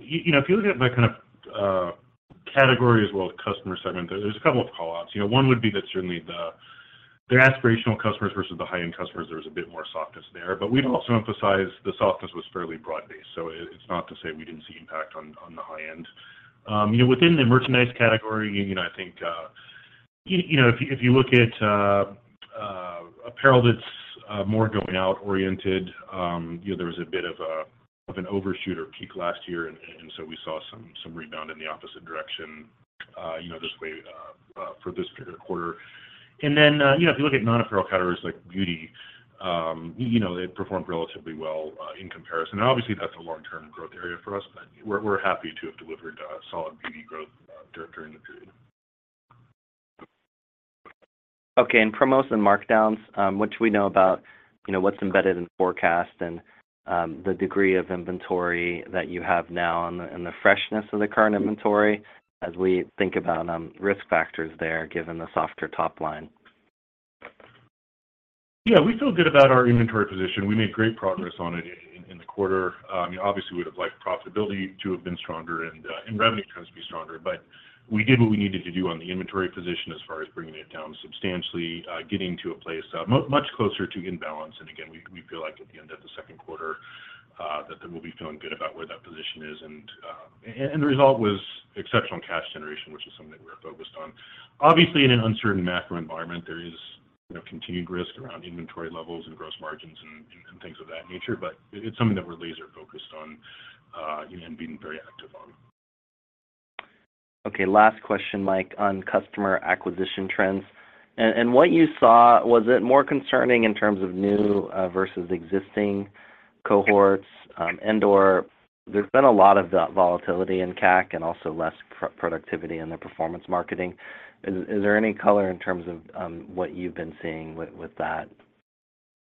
You know, if you look at the kind of, category as well as customer segment, there's a couple of call-outs. You know, one would be that certainly the aspirational customers versus the high-end customers, there was a bit more softness there. We'd also emphasize the softness was fairly broad-based, so it's not to say we didn't see impact on the high end. You know, within the merchandise category, you know, I think, you know, if you look at, apparel that's more going out oriented, you know, there was a bit of an overshoot or peak last year and so we saw some rebound in the opposite direction, you know, this way, for this quarter. You know, if you look at non-apparel categories like beauty, you know, they performed relatively well in comparison. Obviously, that's a long-term growth area for us, but we're happy to have delivered solid beauty growth during the period. Okay. Promos and markdowns, which we know about, you know, what's embedded in forecast and the degree of inventory that you have now and the freshness of the current inventory as we think about risk factors there, given the softer top line. Yeah. We feel good about our inventory position. We made great progress on it in the quarter. Obviously we would have liked profitability to have been stronger and revenue trends to be stronger, but we did what we needed to do on the inventory position as far as bringing it down substantially, getting to a place much closer to in balance. Again, we feel like at the end of the second quarter, that then we'll be feeling good about where that position is and the result was exceptional cash generation, which is something that we're focused on. Obviously, in an uncertain macro environment, there is, you know, continued risk around inventory levels and gross margins and things of that nature, but it's something that we're laser focused on and being very active on. Okay. Last question, Mike, on customer acquisition trends. What you saw, was it more concerning in terms of new versus existing cohorts, and/or there's been a lot of volatility in CAC and also less productivity in the performance marketing? Is there any color in terms of what you've been seeing with that?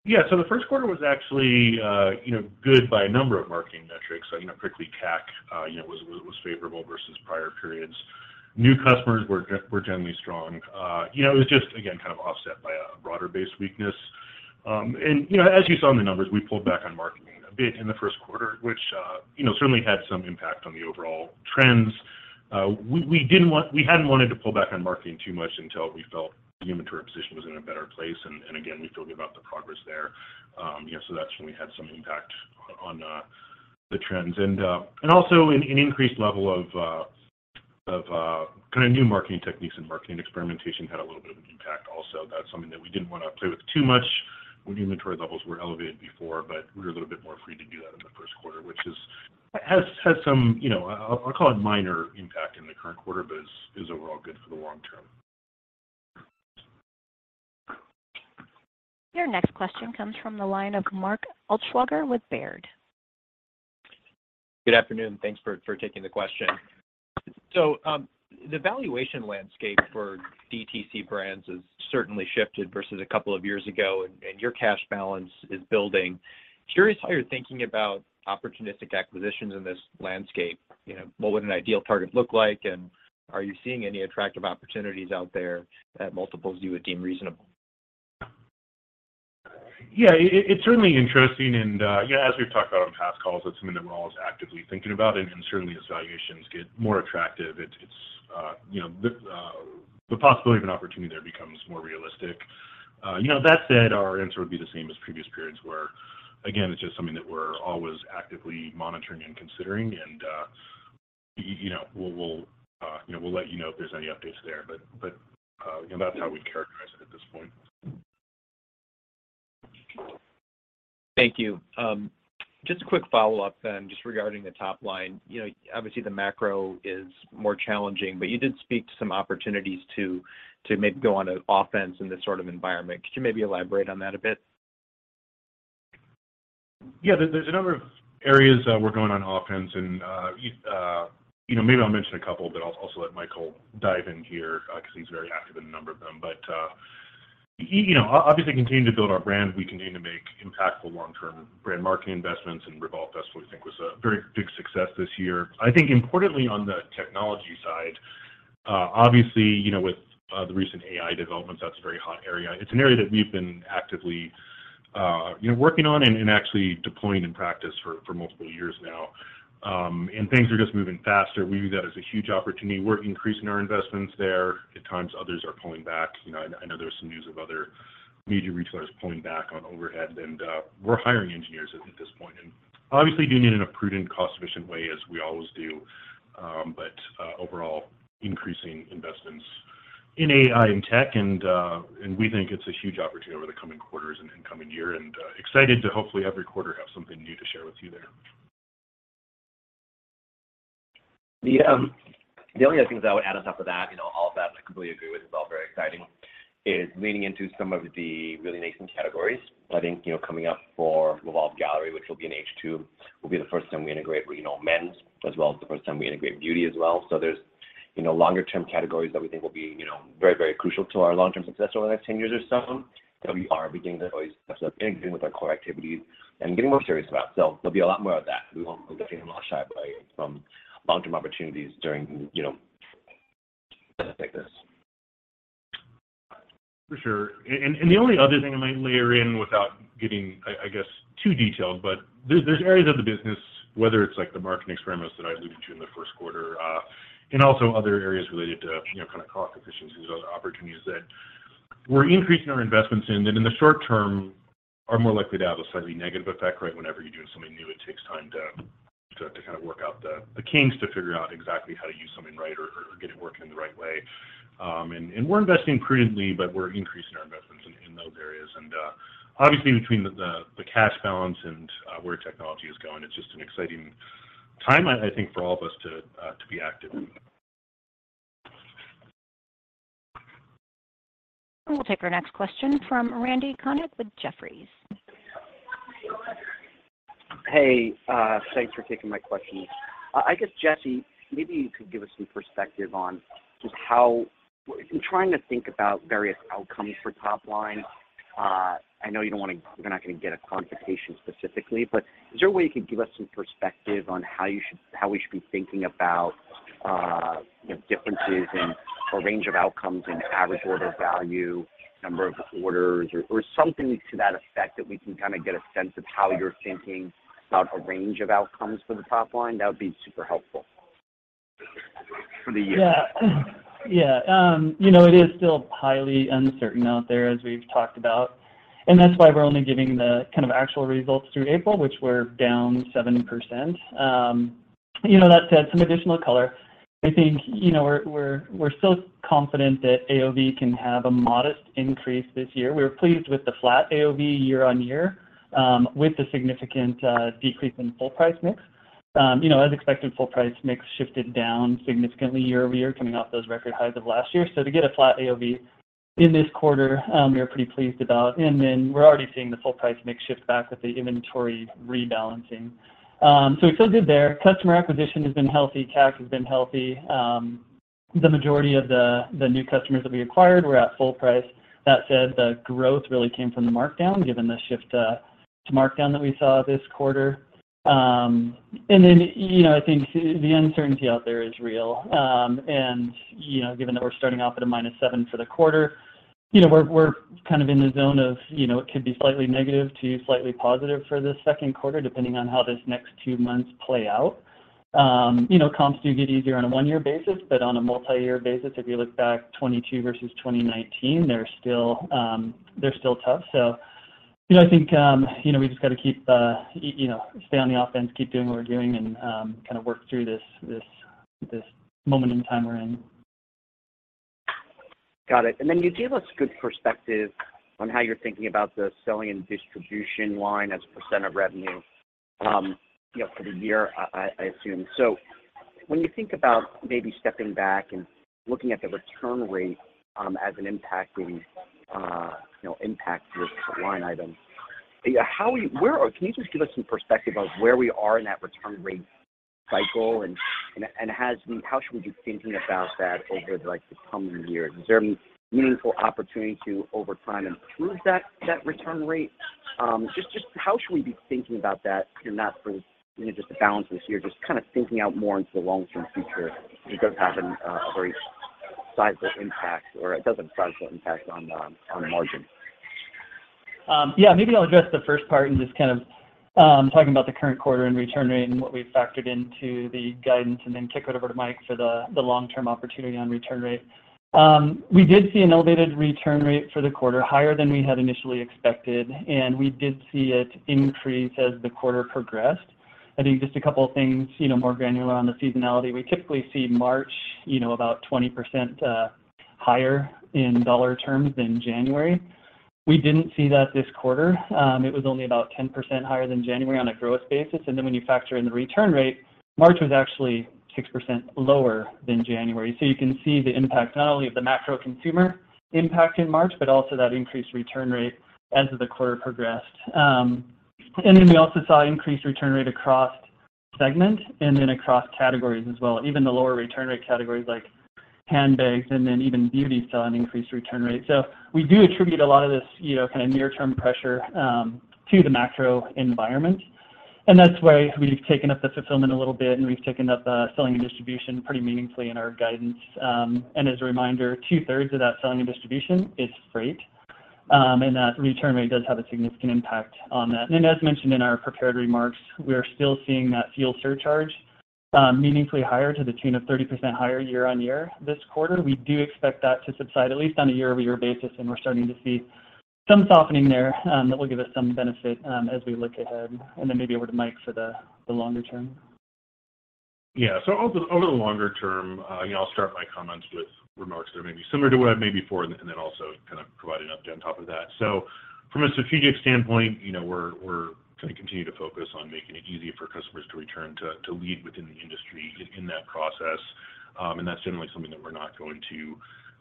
The first quarter was actually, you know, good by a number of marketing metrics. You know, quickly CAC, you know, was favorable versus prior periods. New customers were generally strong. You know, it was just again, kind of offset by a broader-based weakness. As you saw in the numbers, we pulled back on marketing a bit in the first quarter, which, you know, certainly had some impact on the overall trends. We hadn't wanted to pull back on marketing too much until we felt the inventory position was in a better place. Again, we feel good about the progress there. You know, that's when we had some impact on the trends. Also an increased level of kind of new marketing techniques and marketing experimentation had a little bit of an impact also. That's something that we didn't wanna play with too much when inventory levels were elevated before, but we were a little bit more free to do that in the first quarter, has some, you know, I'll call it minor impact in the current quarter, but is overall good for the long term. Your next question comes from the line of Mark Altschwager with Baird. Good afternoon. Thanks for taking the question. The valuation landscape for DTC brands has certainly shifted versus a couple of years ago, and your cash balance is building. Curious how you're thinking about opportunistic acquisitions in this landscape. You know, what would an ideal target look like, and are you seeing any attractive opportunities out there at multiples you would deem reasonable? Yeah. It's certainly interesting and, you know, as we've talked about on past calls, it's something that we're always actively thinking about. Certainly as valuations get more attractive, it's, you know, the possibility of an opportunity there becomes more realistic. You know, that said, our answer would be the same as previous periods where, again, it's just something that we're always actively monitoring and considering and, you know, we'll let you know if there's any updates there. You know, that's how we'd characterize it at this point. Thank you. Just a quick follow-up, just regarding the top line. You know, obviously the macro is more challenging, but you did speak to some opportunities to maybe go on offense in this sort of environment. Could you maybe elaborate on that a bit? Yeah, there's a number of areas, we're going on offense and, you know, maybe I'll mention a couple, but I'll also let Michael dive in here, 'cause he's very active in a number of them. You know, obviously continue to build our brand. We continue to make impactful long-term brand marketing investments, and REVOLVE Festival, I think, was a very big success this year. I think importantly on the technology side, obviously, you know, with, the recent AI developments, that's a very hot area. It's an area that we've been actively, you know, working on and actually deploying in practice for multiple years now. Things are just moving faster. We view that as a huge opportunity. We're increasing our investments there at times others are pulling back. You know, I know there's some news of other media retailers pulling back on overhead and we're hiring engineers at this point. Obviously doing it in a prudent, cost-efficient way, as we always do. But overall, increasing investments in AI and tech and we think it's a huge opportunity over the coming quarters and coming year and excited to hopefully every quarter have something new to share with you there. The, the only other things I would add on top of that, you know, all of that I completely agree with, it's all very exciting, is leaning into some of the really nascent categories. I think, you know, coming up for REVOLVE Gallery, which will be in H2, will be the first time we integrate, you know, men's, as well as the first time we integrate beauty as well. There's, you know, longer term categories that we think will be, you know, very, very crucial to our long-term success over the next 10 years or so that we are beginning to always with our core activities and getting more serious about. There'll be a lot more of that. We won't, we're definitely not shy away from long-term opportunities during, you know, like this. For sure. The only other thing I might layer in without getting, I guess, too detailed, but there's areas of the business, whether it's like the marketing experiments that I alluded to in the first quarter, and also other areas related to, you know, kind of cost efficiencies or other opportunities that we're increasing our investments in that in the short term are more likely to have a slightly negative effect, right? Whenever you're doing something new, it takes time to kind of work out the kinks to figure out exactly how to use something right or get it working in the right way. We're investing prudently, but we're increasing our investments in those areas. Obviously between the cash balance and where technology is going, it's just an exciting time, I think, for all of us to be active. We'll take our next question from Randal Konik with Jefferies. Hey, thanks for taking my questions. I guess, Jesse, maybe you could give us some perspective on just how... In trying to think about various outcomes for top line, I know you don't wanna... you're not gonna give a quantification specifically, but is there a way you could give us some perspective on how we should be thinking about, you know, differences in a range of outcomes in average order value, number of orders or something to that effect that we can kinda get a sense of how you're thinking about a range of outcomes for the top line? That would be super helpful for the year. Yeah. Yeah. You know, it is still highly uncertain out there, as we've talked about. That's why we're only giving the kind of actual results through April, which we're down 7%. You know, that said, some additional color. I think, you know, we're still confident that AOV can have a modest increase this year. We're pleased with the flat AOV year-on-year, with the significant decrease in full price mix. You know, as expected, full price mix shifted down significantly year-over-year coming off those record highs of last year. To get a flat AOV in this quarter, we are pretty pleased about. Then we're already seeing the full price mix shift back with the inventory rebalancing. We're still good there. Customer acquisition has been healthy, CAC has been healthy. The majority of the new customers that we acquired were at full price. That said, the growth really came from the markdown, given the shift to markdown that we saw this quarter. I think the uncertainty out there is real. Given that we're starting off at a -7 for the quarter, we're kind of in the zone of, it could be slightly negative to slightly positive for the second quarter, depending on how this next two months play out. Comps do get easier on a one-year basis, but on a multi-year basis, if you look back 2022 versus 2019, they're still tough. You know, I think, you know, we just gotta keep, you know, stay on the offense, keep doing what we're doing and kind of work through this moment in time we're in. Got it. Then you gave us good perspective on how you're thinking about the selling and distribution line as a percent of revenue, you know, for the year, I assume. When you think about maybe stepping back and looking at the return rate, as an impacting, you know, impact to this line item, Can you just give us some perspective on where we are in that return rate cycle and how should we be thinking about that over, like, the coming year? Is there any meaningful opportunity to, over time, improve that return rate? Just how should we be thinking about that? Not for, you know, just the balance this year, just kinda thinking out more into the long term future. It does have a sizable impact on the margin. Yeah, maybe I'll address the first part and just kind of talking about the current quarter and return rate and what we've factored into the guidance, then kick it over to Mike for the long-term opportunity on return rate. We did see an elevated return rate for the quarter, higher than we had initially expected, we did see it increase as the quarter progressed. I think just a couple of things, you know, more granular on the seasonality. We typically see March, you know, about 20% higher in dollar terms than January. We didn't see that this quarter. It was only about 10% higher than January on a growth basis. Then when you factor in the return rate, March was actually 6% lower than January. You can see the impact not only of the macro consumer impact in March, but also that increased return rate as the quarter progressed. Then we also saw increased return rate across segment and then across categories as well. Even the lower return rate categories like handbags and then even beauty saw an increased return rate. We do attribute a lot of this, you know, kind of near term pressure, to the macro environment. That's why we've taken up the fulfillment a little bit, and we've taken up the selling and distribution pretty meaningfully in our guidance. As a reminder, two-thirds of that selling and distribution is freight, and that return rate does have a significant impact on that. As mentioned in our prepared remarks, we are still seeing that fuel surcharge, meaningfully higher to the tune of 30% higher year-over-year this quarter. We do expect that to subside at least on a year-over-year basis, and we're starting to see some softening there, that will give us some benefit, as we look ahead. Then maybe over to Mike for the longer term. Yeah. On the longer term, you know, I'll start my comments with remarks that may be similar to what I made before and then also kind of provide an update on top of that. From a strategic standpoint, you know, we're gonna continue to focus on making it easier for customers to return to lead within the industry in that process. That's generally something that we're not going to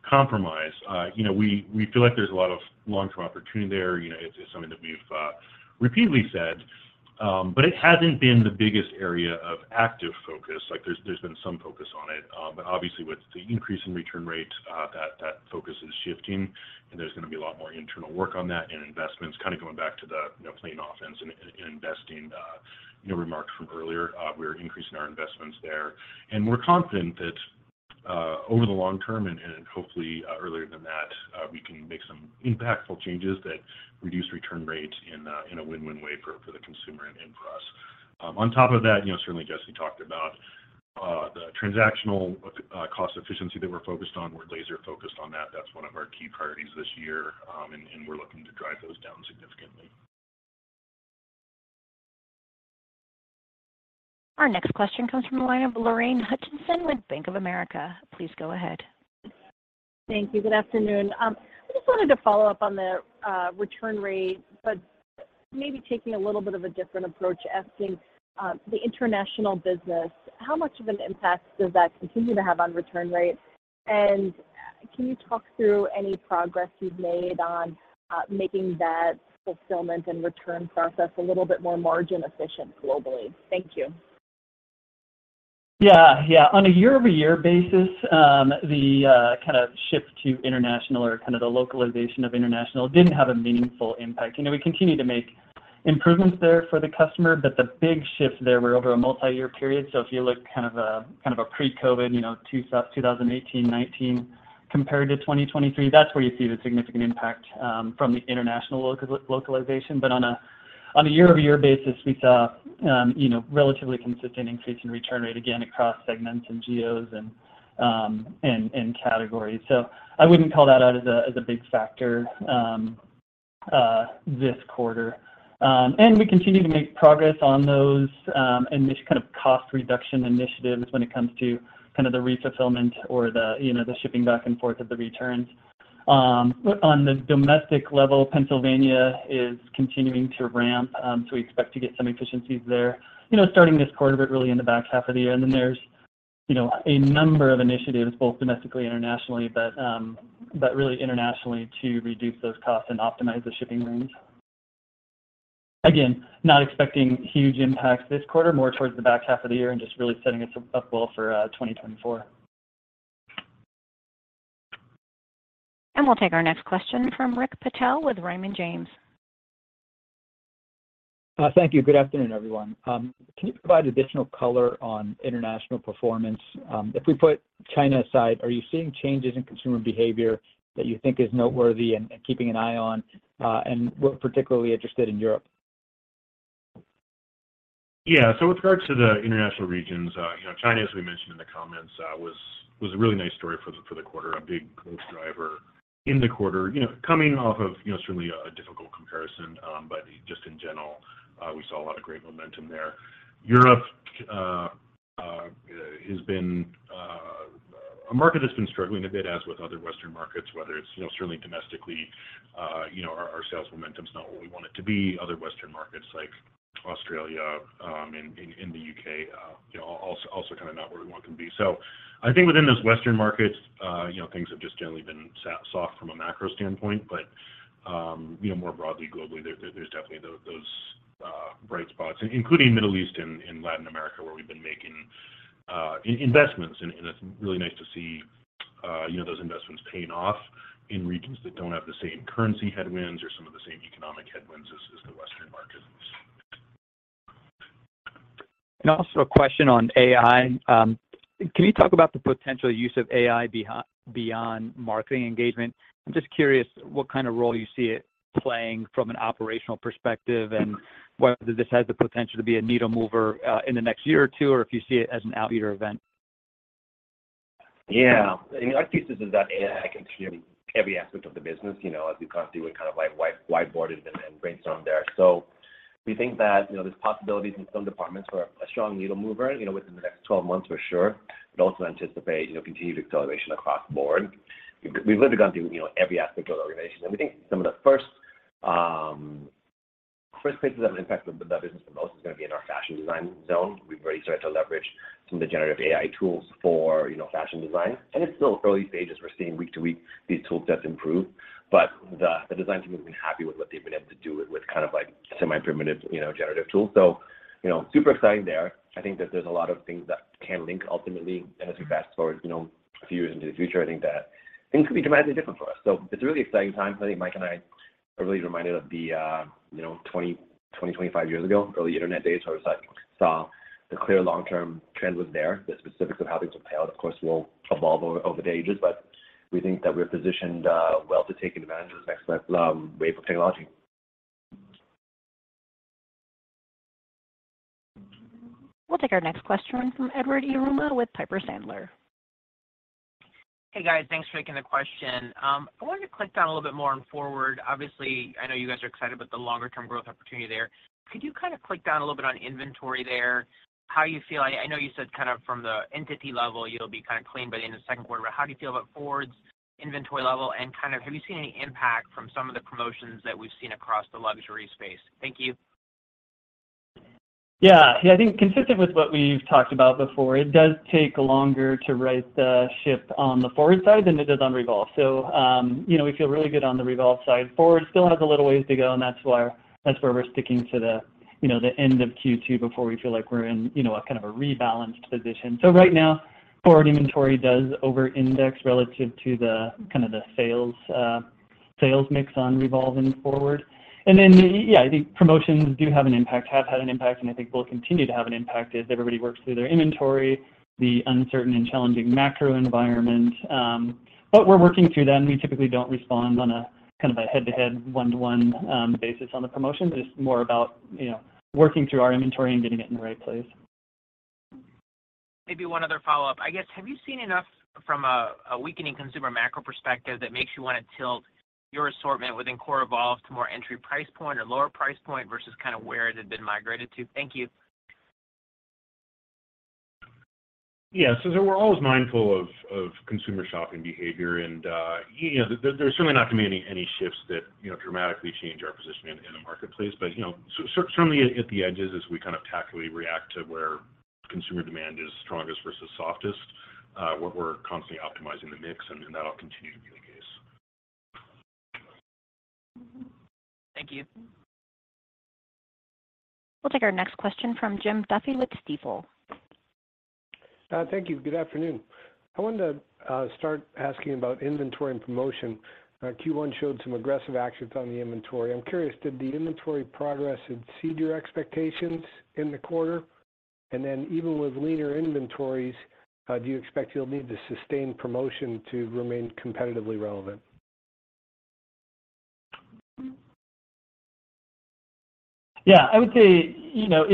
compromise. You know, we feel like there's a lot of long-term opportunity there. You know, it's something that we've repeatedly said, but it hasn't been the biggest area of active focus. Like, there's been some focus on it. Obviously with the increase in return rates, that focus is shifting, and there's gonna be a lot more internal work on that and investments kinda going back to the, you know, playing offense and investing, you know, remarks from earlier. We're increasing our investments there. We're confident that over the long term and hopefully earlier than that, we can make some impactful changes that reduce return rates in a win-win way for the consumer and for us. On top of that, you know, certainly Jesse talked about the transactional cost efficiency that we're focused on. We're laser focused on that. That's one of our key priorities this year, and we're looking to drive those down significantly. Our next question comes from the line of Lorraine Hutchinson with Bank of America. Please go ahead. Thank you. Good afternoon. I just wanted to follow up on the return rate, but maybe taking a little bit of a different approach asking the international business, how much of an impact does that continue to have on return rate? Can you talk through any progress you've made on making that fulfillment and return process a little bit more margin efficient globally? Thank you. Yeah. Yeah. On a year-over-year basis, the kind of shift to international or kind of the localization of international didn't have a meaningful impact. You know, we continue to make improvements there for the customer, but the big shifts there were over a multiyear period. If you look kind of a pre-COVID, you know, 2018, 2019 compared to 2023, that's where you see the significant impact from the international localization. On a year-over-year basis, we saw, you know, relatively consistent increase in return rate again across segments and geos and categories. I wouldn't call that out as a big factor this quarter. We continue to make progress on those, and just kind of cost reduction initiatives when it comes to kind of the refulfillment or the, you know, the shipping back and forth of the returns. On the domestic level, Pennsylvania is continuing to ramp, so we expect to get some efficiencies there, you know, starting this quarter, but really in the back half of the year. There's, you know, a number of initiatives both domestically, internationally, but really internationally to reduce those costs and optimize the shipping lanes. Not expecting huge impacts this quarter, more towards the back half of the year and just really setting us up well for 2024. We'll take our next question from Rakesh Patel with Raymond James. Thank you. Good afternoon, everyone. Can you provide additional color on international performance? If we put China aside, are you seeing changes in consumer behavior that you think is noteworthy and keeping an eye on? We're particularly interested in Europe. Yeah. With regards to the international regions, you know, China, as we mentioned in the comments, was a really nice story for the quarter, a big growth driver in the quarter. You know, coming off of, you know, certainly a difficult comparison, just in general, we saw a lot of great momentum there. Europe has been a market that's been struggling a bit as with other Western markets, whether it's, you know, certainly domestically, our sales momentum's not what we want it to be. Other Western markets like Australia, in the U.K., you know, also kinda not where we want them to be. I think within those Western markets, you know, things have just generally been soft from a macro standpoint. You know, more broadly globally, there's definitely those bright spots, including Middle East and Latin America, where we've been making investments, and it's really nice to see, you know, those investments paying off in regions that don't have the same currency headwinds or some of the same economic headwinds as the Western markets. Also a question on AI. Can you talk about the potential use of AI beyond marketing engagement? I'm just curious what kind of role you see it playing from an operational perspective and whether this has the potential to be a needle mover, in the next year or two, or if you see it as an out year event. Our thesis is that AI can contribute every aspect of the business, you know, as we kind of see with kind of like whiteboarding and brainstorm there. We think that, you know, there's possibilities in some departments for a strong needle mover, you know, within the next 12 months for sure, but also anticipate, you know, continued acceleration across the board. We've literally gone through, you know, every aspect of the organization, and we think some of the first places that will impact the business the most is gonna be in our fashion design zone. We've already started to leverage some of the generative AI tools for, you know, fashion design, it's still early stages. We're seeing week to week these toolsets improve. The design team has been happy with what they've been able to do with kind of like semi-primitive, you know, generative tools. You know, super exciting there. I think that there's a lot of things that can link ultimately, and as we fast-forward, you know, a few years into the future, I think that things could be dramatically different for us. It's a really exciting time. I think Mike and I are really reminded of the, you know, 25 years ago, early internet days where it's like saw the clear long-term trend was there. The specifics of how things will play out, of course, will evolve over the ages, but we think that we're positioned well to take advantage of this next wave of technology. We'll take our next question from Edward Yruma with Piper Sandler. Hey, guys. Thanks for taking the question. I wanted to click down a little bit more on FWRD. Obviously, I know you guys are excited about the longer term growth opportunity there. Could you kind of click down a little bit on inventory there? How you feel. I know you said kind of from the entity level, you'll be kind of clean by the end of the second quarter. How do you feel about FWRD's inventory level, and kind of have you seen any impact from some of the promotions that we've seen across the luxury space? Thank you. Yeah, I think consistent with what we've talked about before, it does take longer to right the ship on the FWRD side than it does on REVOLVE. You know, we feel really good on the REVOLVE side. FWRD still has a little ways to go, and that's why. That's where we're sticking to the, you know, the end of Q2 before we feel like we're in, you know, a kind of a rebalanced position. Right now, FWRD inventory does over-index relative to the kind of the sales mix on REVOLVE and FWRD. I think promotions do have an impact, have had an impact, and I think will continue to have an impact as everybody works through their inventory, the uncertain and challenging macro environment. We're working through that, and we typically don't respond on a kind of a head-to-head, one-to-one basis on the promotion. It's more about, you know, working through our inventory and getting it in the right place. Maybe one other follow-up. I guess, have you seen enough from a weakening consumer macro perspective that makes you wanna tilt your assortment within core REVOLVE to more entry price point or lower price point versus kind of where it had been migrated to? Thank you. Yeah. We're always mindful of consumer shopping behavior and, you know, there's certainly not gonna be any shifts that, you know, dramatically change our position in the marketplace. You know, certainly at the edges as we kind of tactically react to where consumer demand is strongest versus softest, we're constantly optimizing the mix and that'll continue to be the case. Thank you. We'll take our next question from Jim Duffy with Stifel. Thank you. Good afternoon. I wanted to start asking about inventory and promotion. Q1 showed some aggressive actions on the inventory. I'm curious, did the inventory progress exceed your expectations in the quarter? Even with leaner inventories, do you expect you'll need to sustain promotion to remain competitively relevant? Yeah. I would say, you know,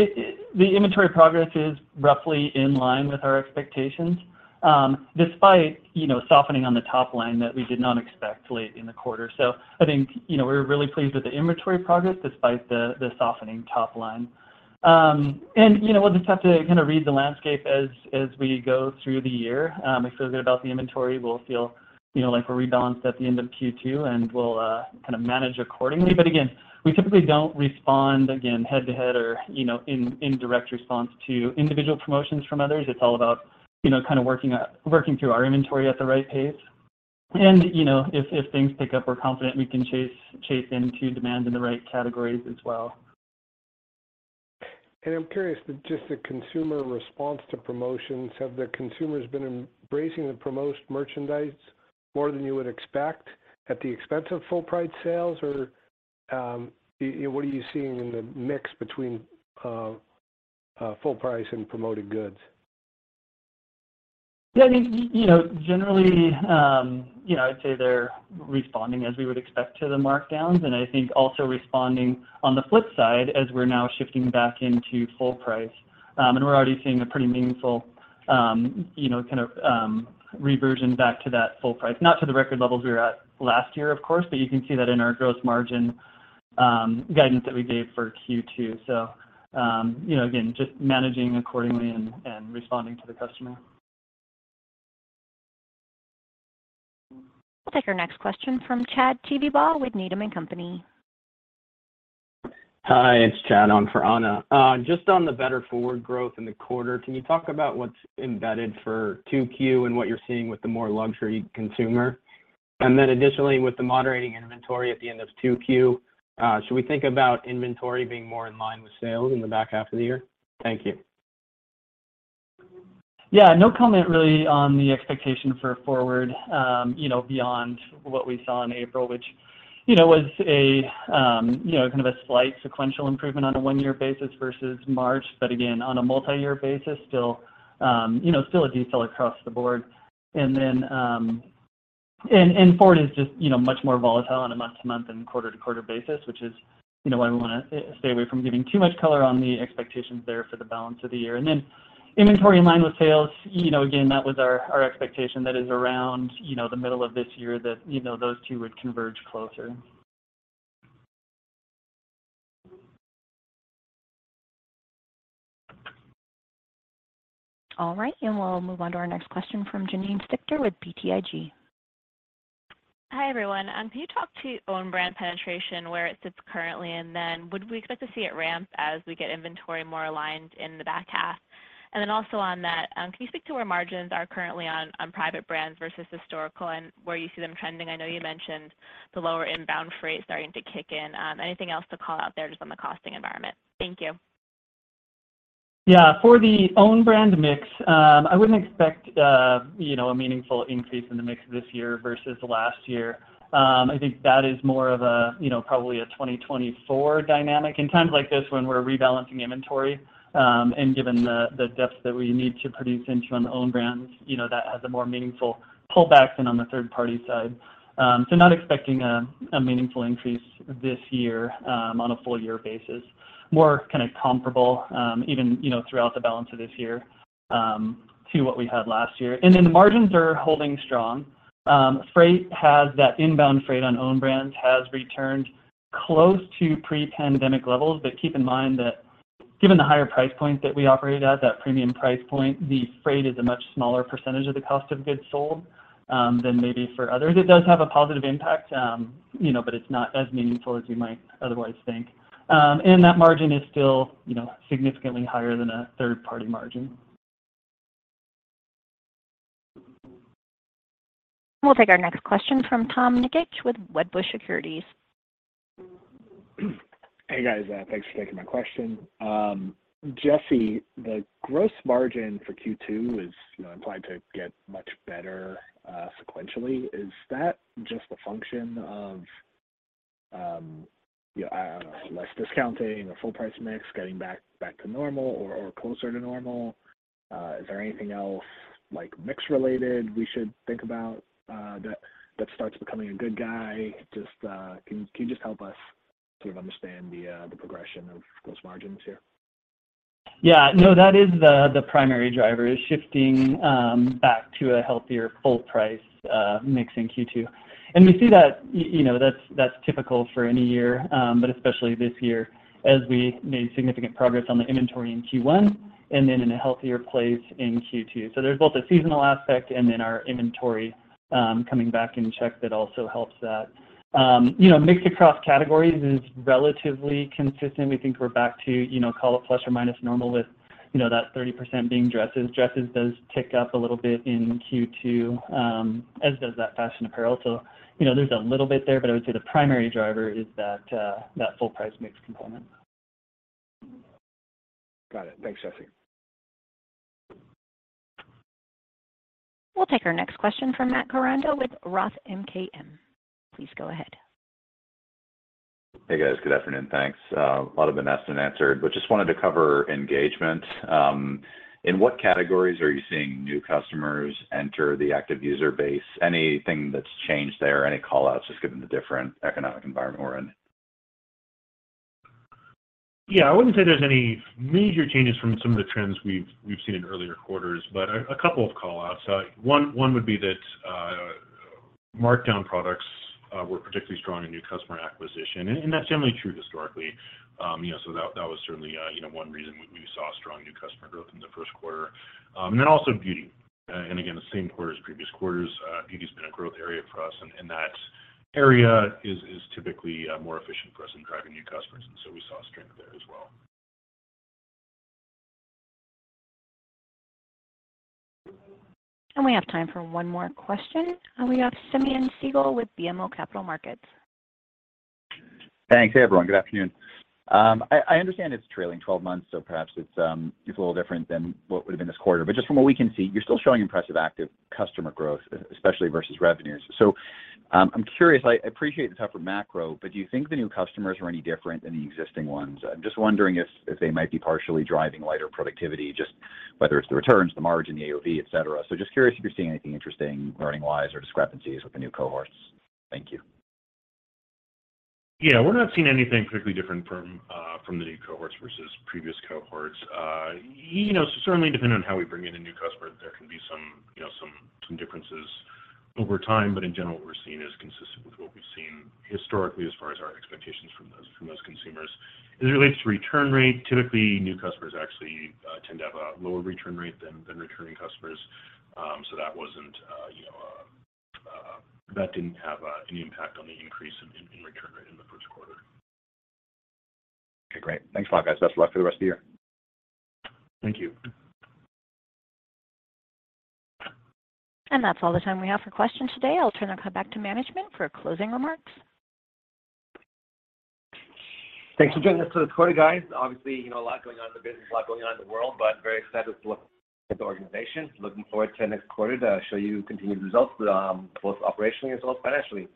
The inventory progress is roughly in line with our expectations, despite, you know, softening on the top line that we did not expect late in the quarter. I think, you know, we're really pleased with the inventory progress despite the softening top line. And, you know, we'll just have to kinda read the landscape as we go through the year. I feel good about the inventory. We'll feel, you know, like we're rebalanced at the end of Q2, and we'll kind of manage accordingly. Again, we typically don't respond, head-to-head or, you know, in direct response to individual promotions from others. It's all about, you know, kind of working through our inventory at the right pace. You know, if things pick up, we're confident we can chase into demand in the right categories as well. I'm curious, just the consumer response to promotions. Have the consumers been embracing the promoted merchandise more than you would expect at the expense of full price sales? You know, what are you seeing in the mix between full price and promoted goods? Yeah, I mean, you know, generally, you know, I'd say they're responding as we would expect to the markdowns. I think also responding on the flip side as we're now shifting back into full price. We're already seeing a pretty meaningful, you know, kind of, reversion back to that full price. Not to the record levels we were at last year, of course, but you can see that in our gross margin guidance that we gave for Q2. You know, again, just managing accordingly and responding to the customer. We'll take our next question from Chad Tevebaugh with Needham & Company. Hi, it's Chad on for Anna. Just on the better FWRD growth in the quarter, can you talk about what's embedded for 2Q and what you're seeing with the more luxury consumer? Additionally, with the moderating inventory at the end of 2Q, should we think about inventory being more in line with sales in the back half of the year? Thank you. Yeah. No comment really on the expectation for FWRD, you know, beyond what we saw in April, which, you know, was a, you know, kind of a slight sequential improvement on a one-year basis versus March. Again, on a multi-year basis, still, you know, still a detail across the board. FWRD is just, you know, much more volatile on a month-to-month and quarter-to-quarter basis, which is, you know, why we wanna stay away from giving too much color on the expectations there for the balance of the year. Inventory in line with sales, you know, again, that was our expectation that is around, you know, the middle of this year that, you know, those two would converge closer. All right, we'll move on to our next question from Janine Stichter with BTIG. Hi, everyone. Can you talk to own brand penetration, where it sits currently? Would we expect to see it ramp as we get inventory more aligned in the back half? Also on that, can you speak to where margins are currently on private brands versus historical and where you see them trending? I know you mentioned the lower inbound freight starting to kick in. Anything else to call out there just on the costing environment? Thank you. Yeah. For the own brand mix, I wouldn't expect, you know, a meaningful increase in the mix this year versus last year. I think that is more of a, you know, probably a 2024 dynamic. In times like this when we're rebalancing inventory, and given the depths that we need to produce into on the own brands, you know, that has a more meaningful pullback than on the third party side. Not expecting a meaningful increase this year on a full year basis. More kinda comparable, even, you know, throughout the balance of this year, to what we had last year. The margins are holding strong. That inbound freight on own brands has returned close to pre-pandemic levels. Keep in mind that given the higher price point that we operate at, that premium price point, the freight is a much smaller percentage of the cost of goods sold, than maybe for others. It does have a positive impact, you know, but it's not as meaningful as you might otherwise think. That margin is still, you know, significantly higher than a third party margin. We'll take our next question from Tom Nikic with Wedbush Securities. Hey, guys. Thanks for taking my question. Jesse, the gross margin for Q2 is, you know, implied to get much better sequentially. Is that just a function of less discounting or full price mix getting back to normal or closer to normal? Is there anything else like mix-related we should think about that starts becoming a good guy? Just, can you just help us sort of understand the progression of gross margins here? Yeah. No, that is the primary driver. Shifting back to a healthier full price mix in Q2. We see that, you know, that's typical for any year, but especially this year as we made significant progress on the inventory in Q1 and then in a healthier place in Q2. There's both a seasonal aspect and then our inventory coming back in check that also helps that. You know, mix across categories is relatively consistent. We think we're back to, you know, call it plus or minus normal with, you know, that 30% being dresses. Dresses does tick up a little bit in Q2, as does that fashion apparel. You know, there's a little bit there, but I would say the primary driver is that full price mix component. Got it. Thanks, Jesse. We'll take our next question from Matt Koranda with ROTH MKM. Please go ahead. Hey, guys. Good afternoon. Thanks. A lot have been asked and answered. Just wanted to cover engagement. In what categories are you seeing new customers enter the active user base? Anything that's changed there, any callouts just given the different economic environment we're in? Yeah. I wouldn't say there's any major changes from some of the trends we've seen in earlier quarters, but a couple of callouts. One would be that markdown products were particularly strong in new customer acquisition, and that's generally true historically. You know, so that was certainly, you know, one reason we saw strong new customer growth in the first quarter. Then also beauty. Again, the same quarter as previous quarters, beauty's been a growth area for us, and that area is typically more efficient for us in driving new customers, and so we saw strength there as well. We have time for one more question. We have Simeon Siegel with BMO Capital Markets. Thanks. Hey, everyone. Good afternoon. I understand it's trailing 12 months, perhaps it's a little different than what would've been this quarter. Just from what we can see, you're still showing impressive active customer growth, especially versus revenues. I'm curious, I appreciate the tougher macro, do you think the new customers are any different than the existing ones? I'm just wondering if they might be partially driving lighter productivity, just whether it's the returns, the margin, the AOV, et cetera. Just curious if you're seeing anything interesting learning wise or discrepancies with the new cohorts. Thank you. Yeah. We're not seeing anything particularly different from the new cohorts versus previous cohorts. You know, certainly depending on how we bring in a new customer, there can be some, you know, some differences over time. In general, what we're seeing is consistent with what we've seen historically as far as our expectations from those consumers. As it relates to return rate, typically new customers actually tend to have a lower return rate than returning customers. That wasn't, you know, that didn't have any impact on the increase in return rate in the first quarter. Okay. Great. Thanks a lot, guys. Best of luck for the rest of the year. Thank you. That's all the time we have for questions today. I'll turn the call back to management for closing remarks. Thanks for joining us for the quarter, guys. Obviously, you know, a lot going on in the business, a lot going on in the world, but very excited for what with the organization. Looking forward to next quarter to show you continued results, both operationally as well as financially.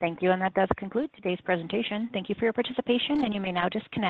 Thank you, and that does conclude today's presentation. Thank you for your participation, and you may now disconnect.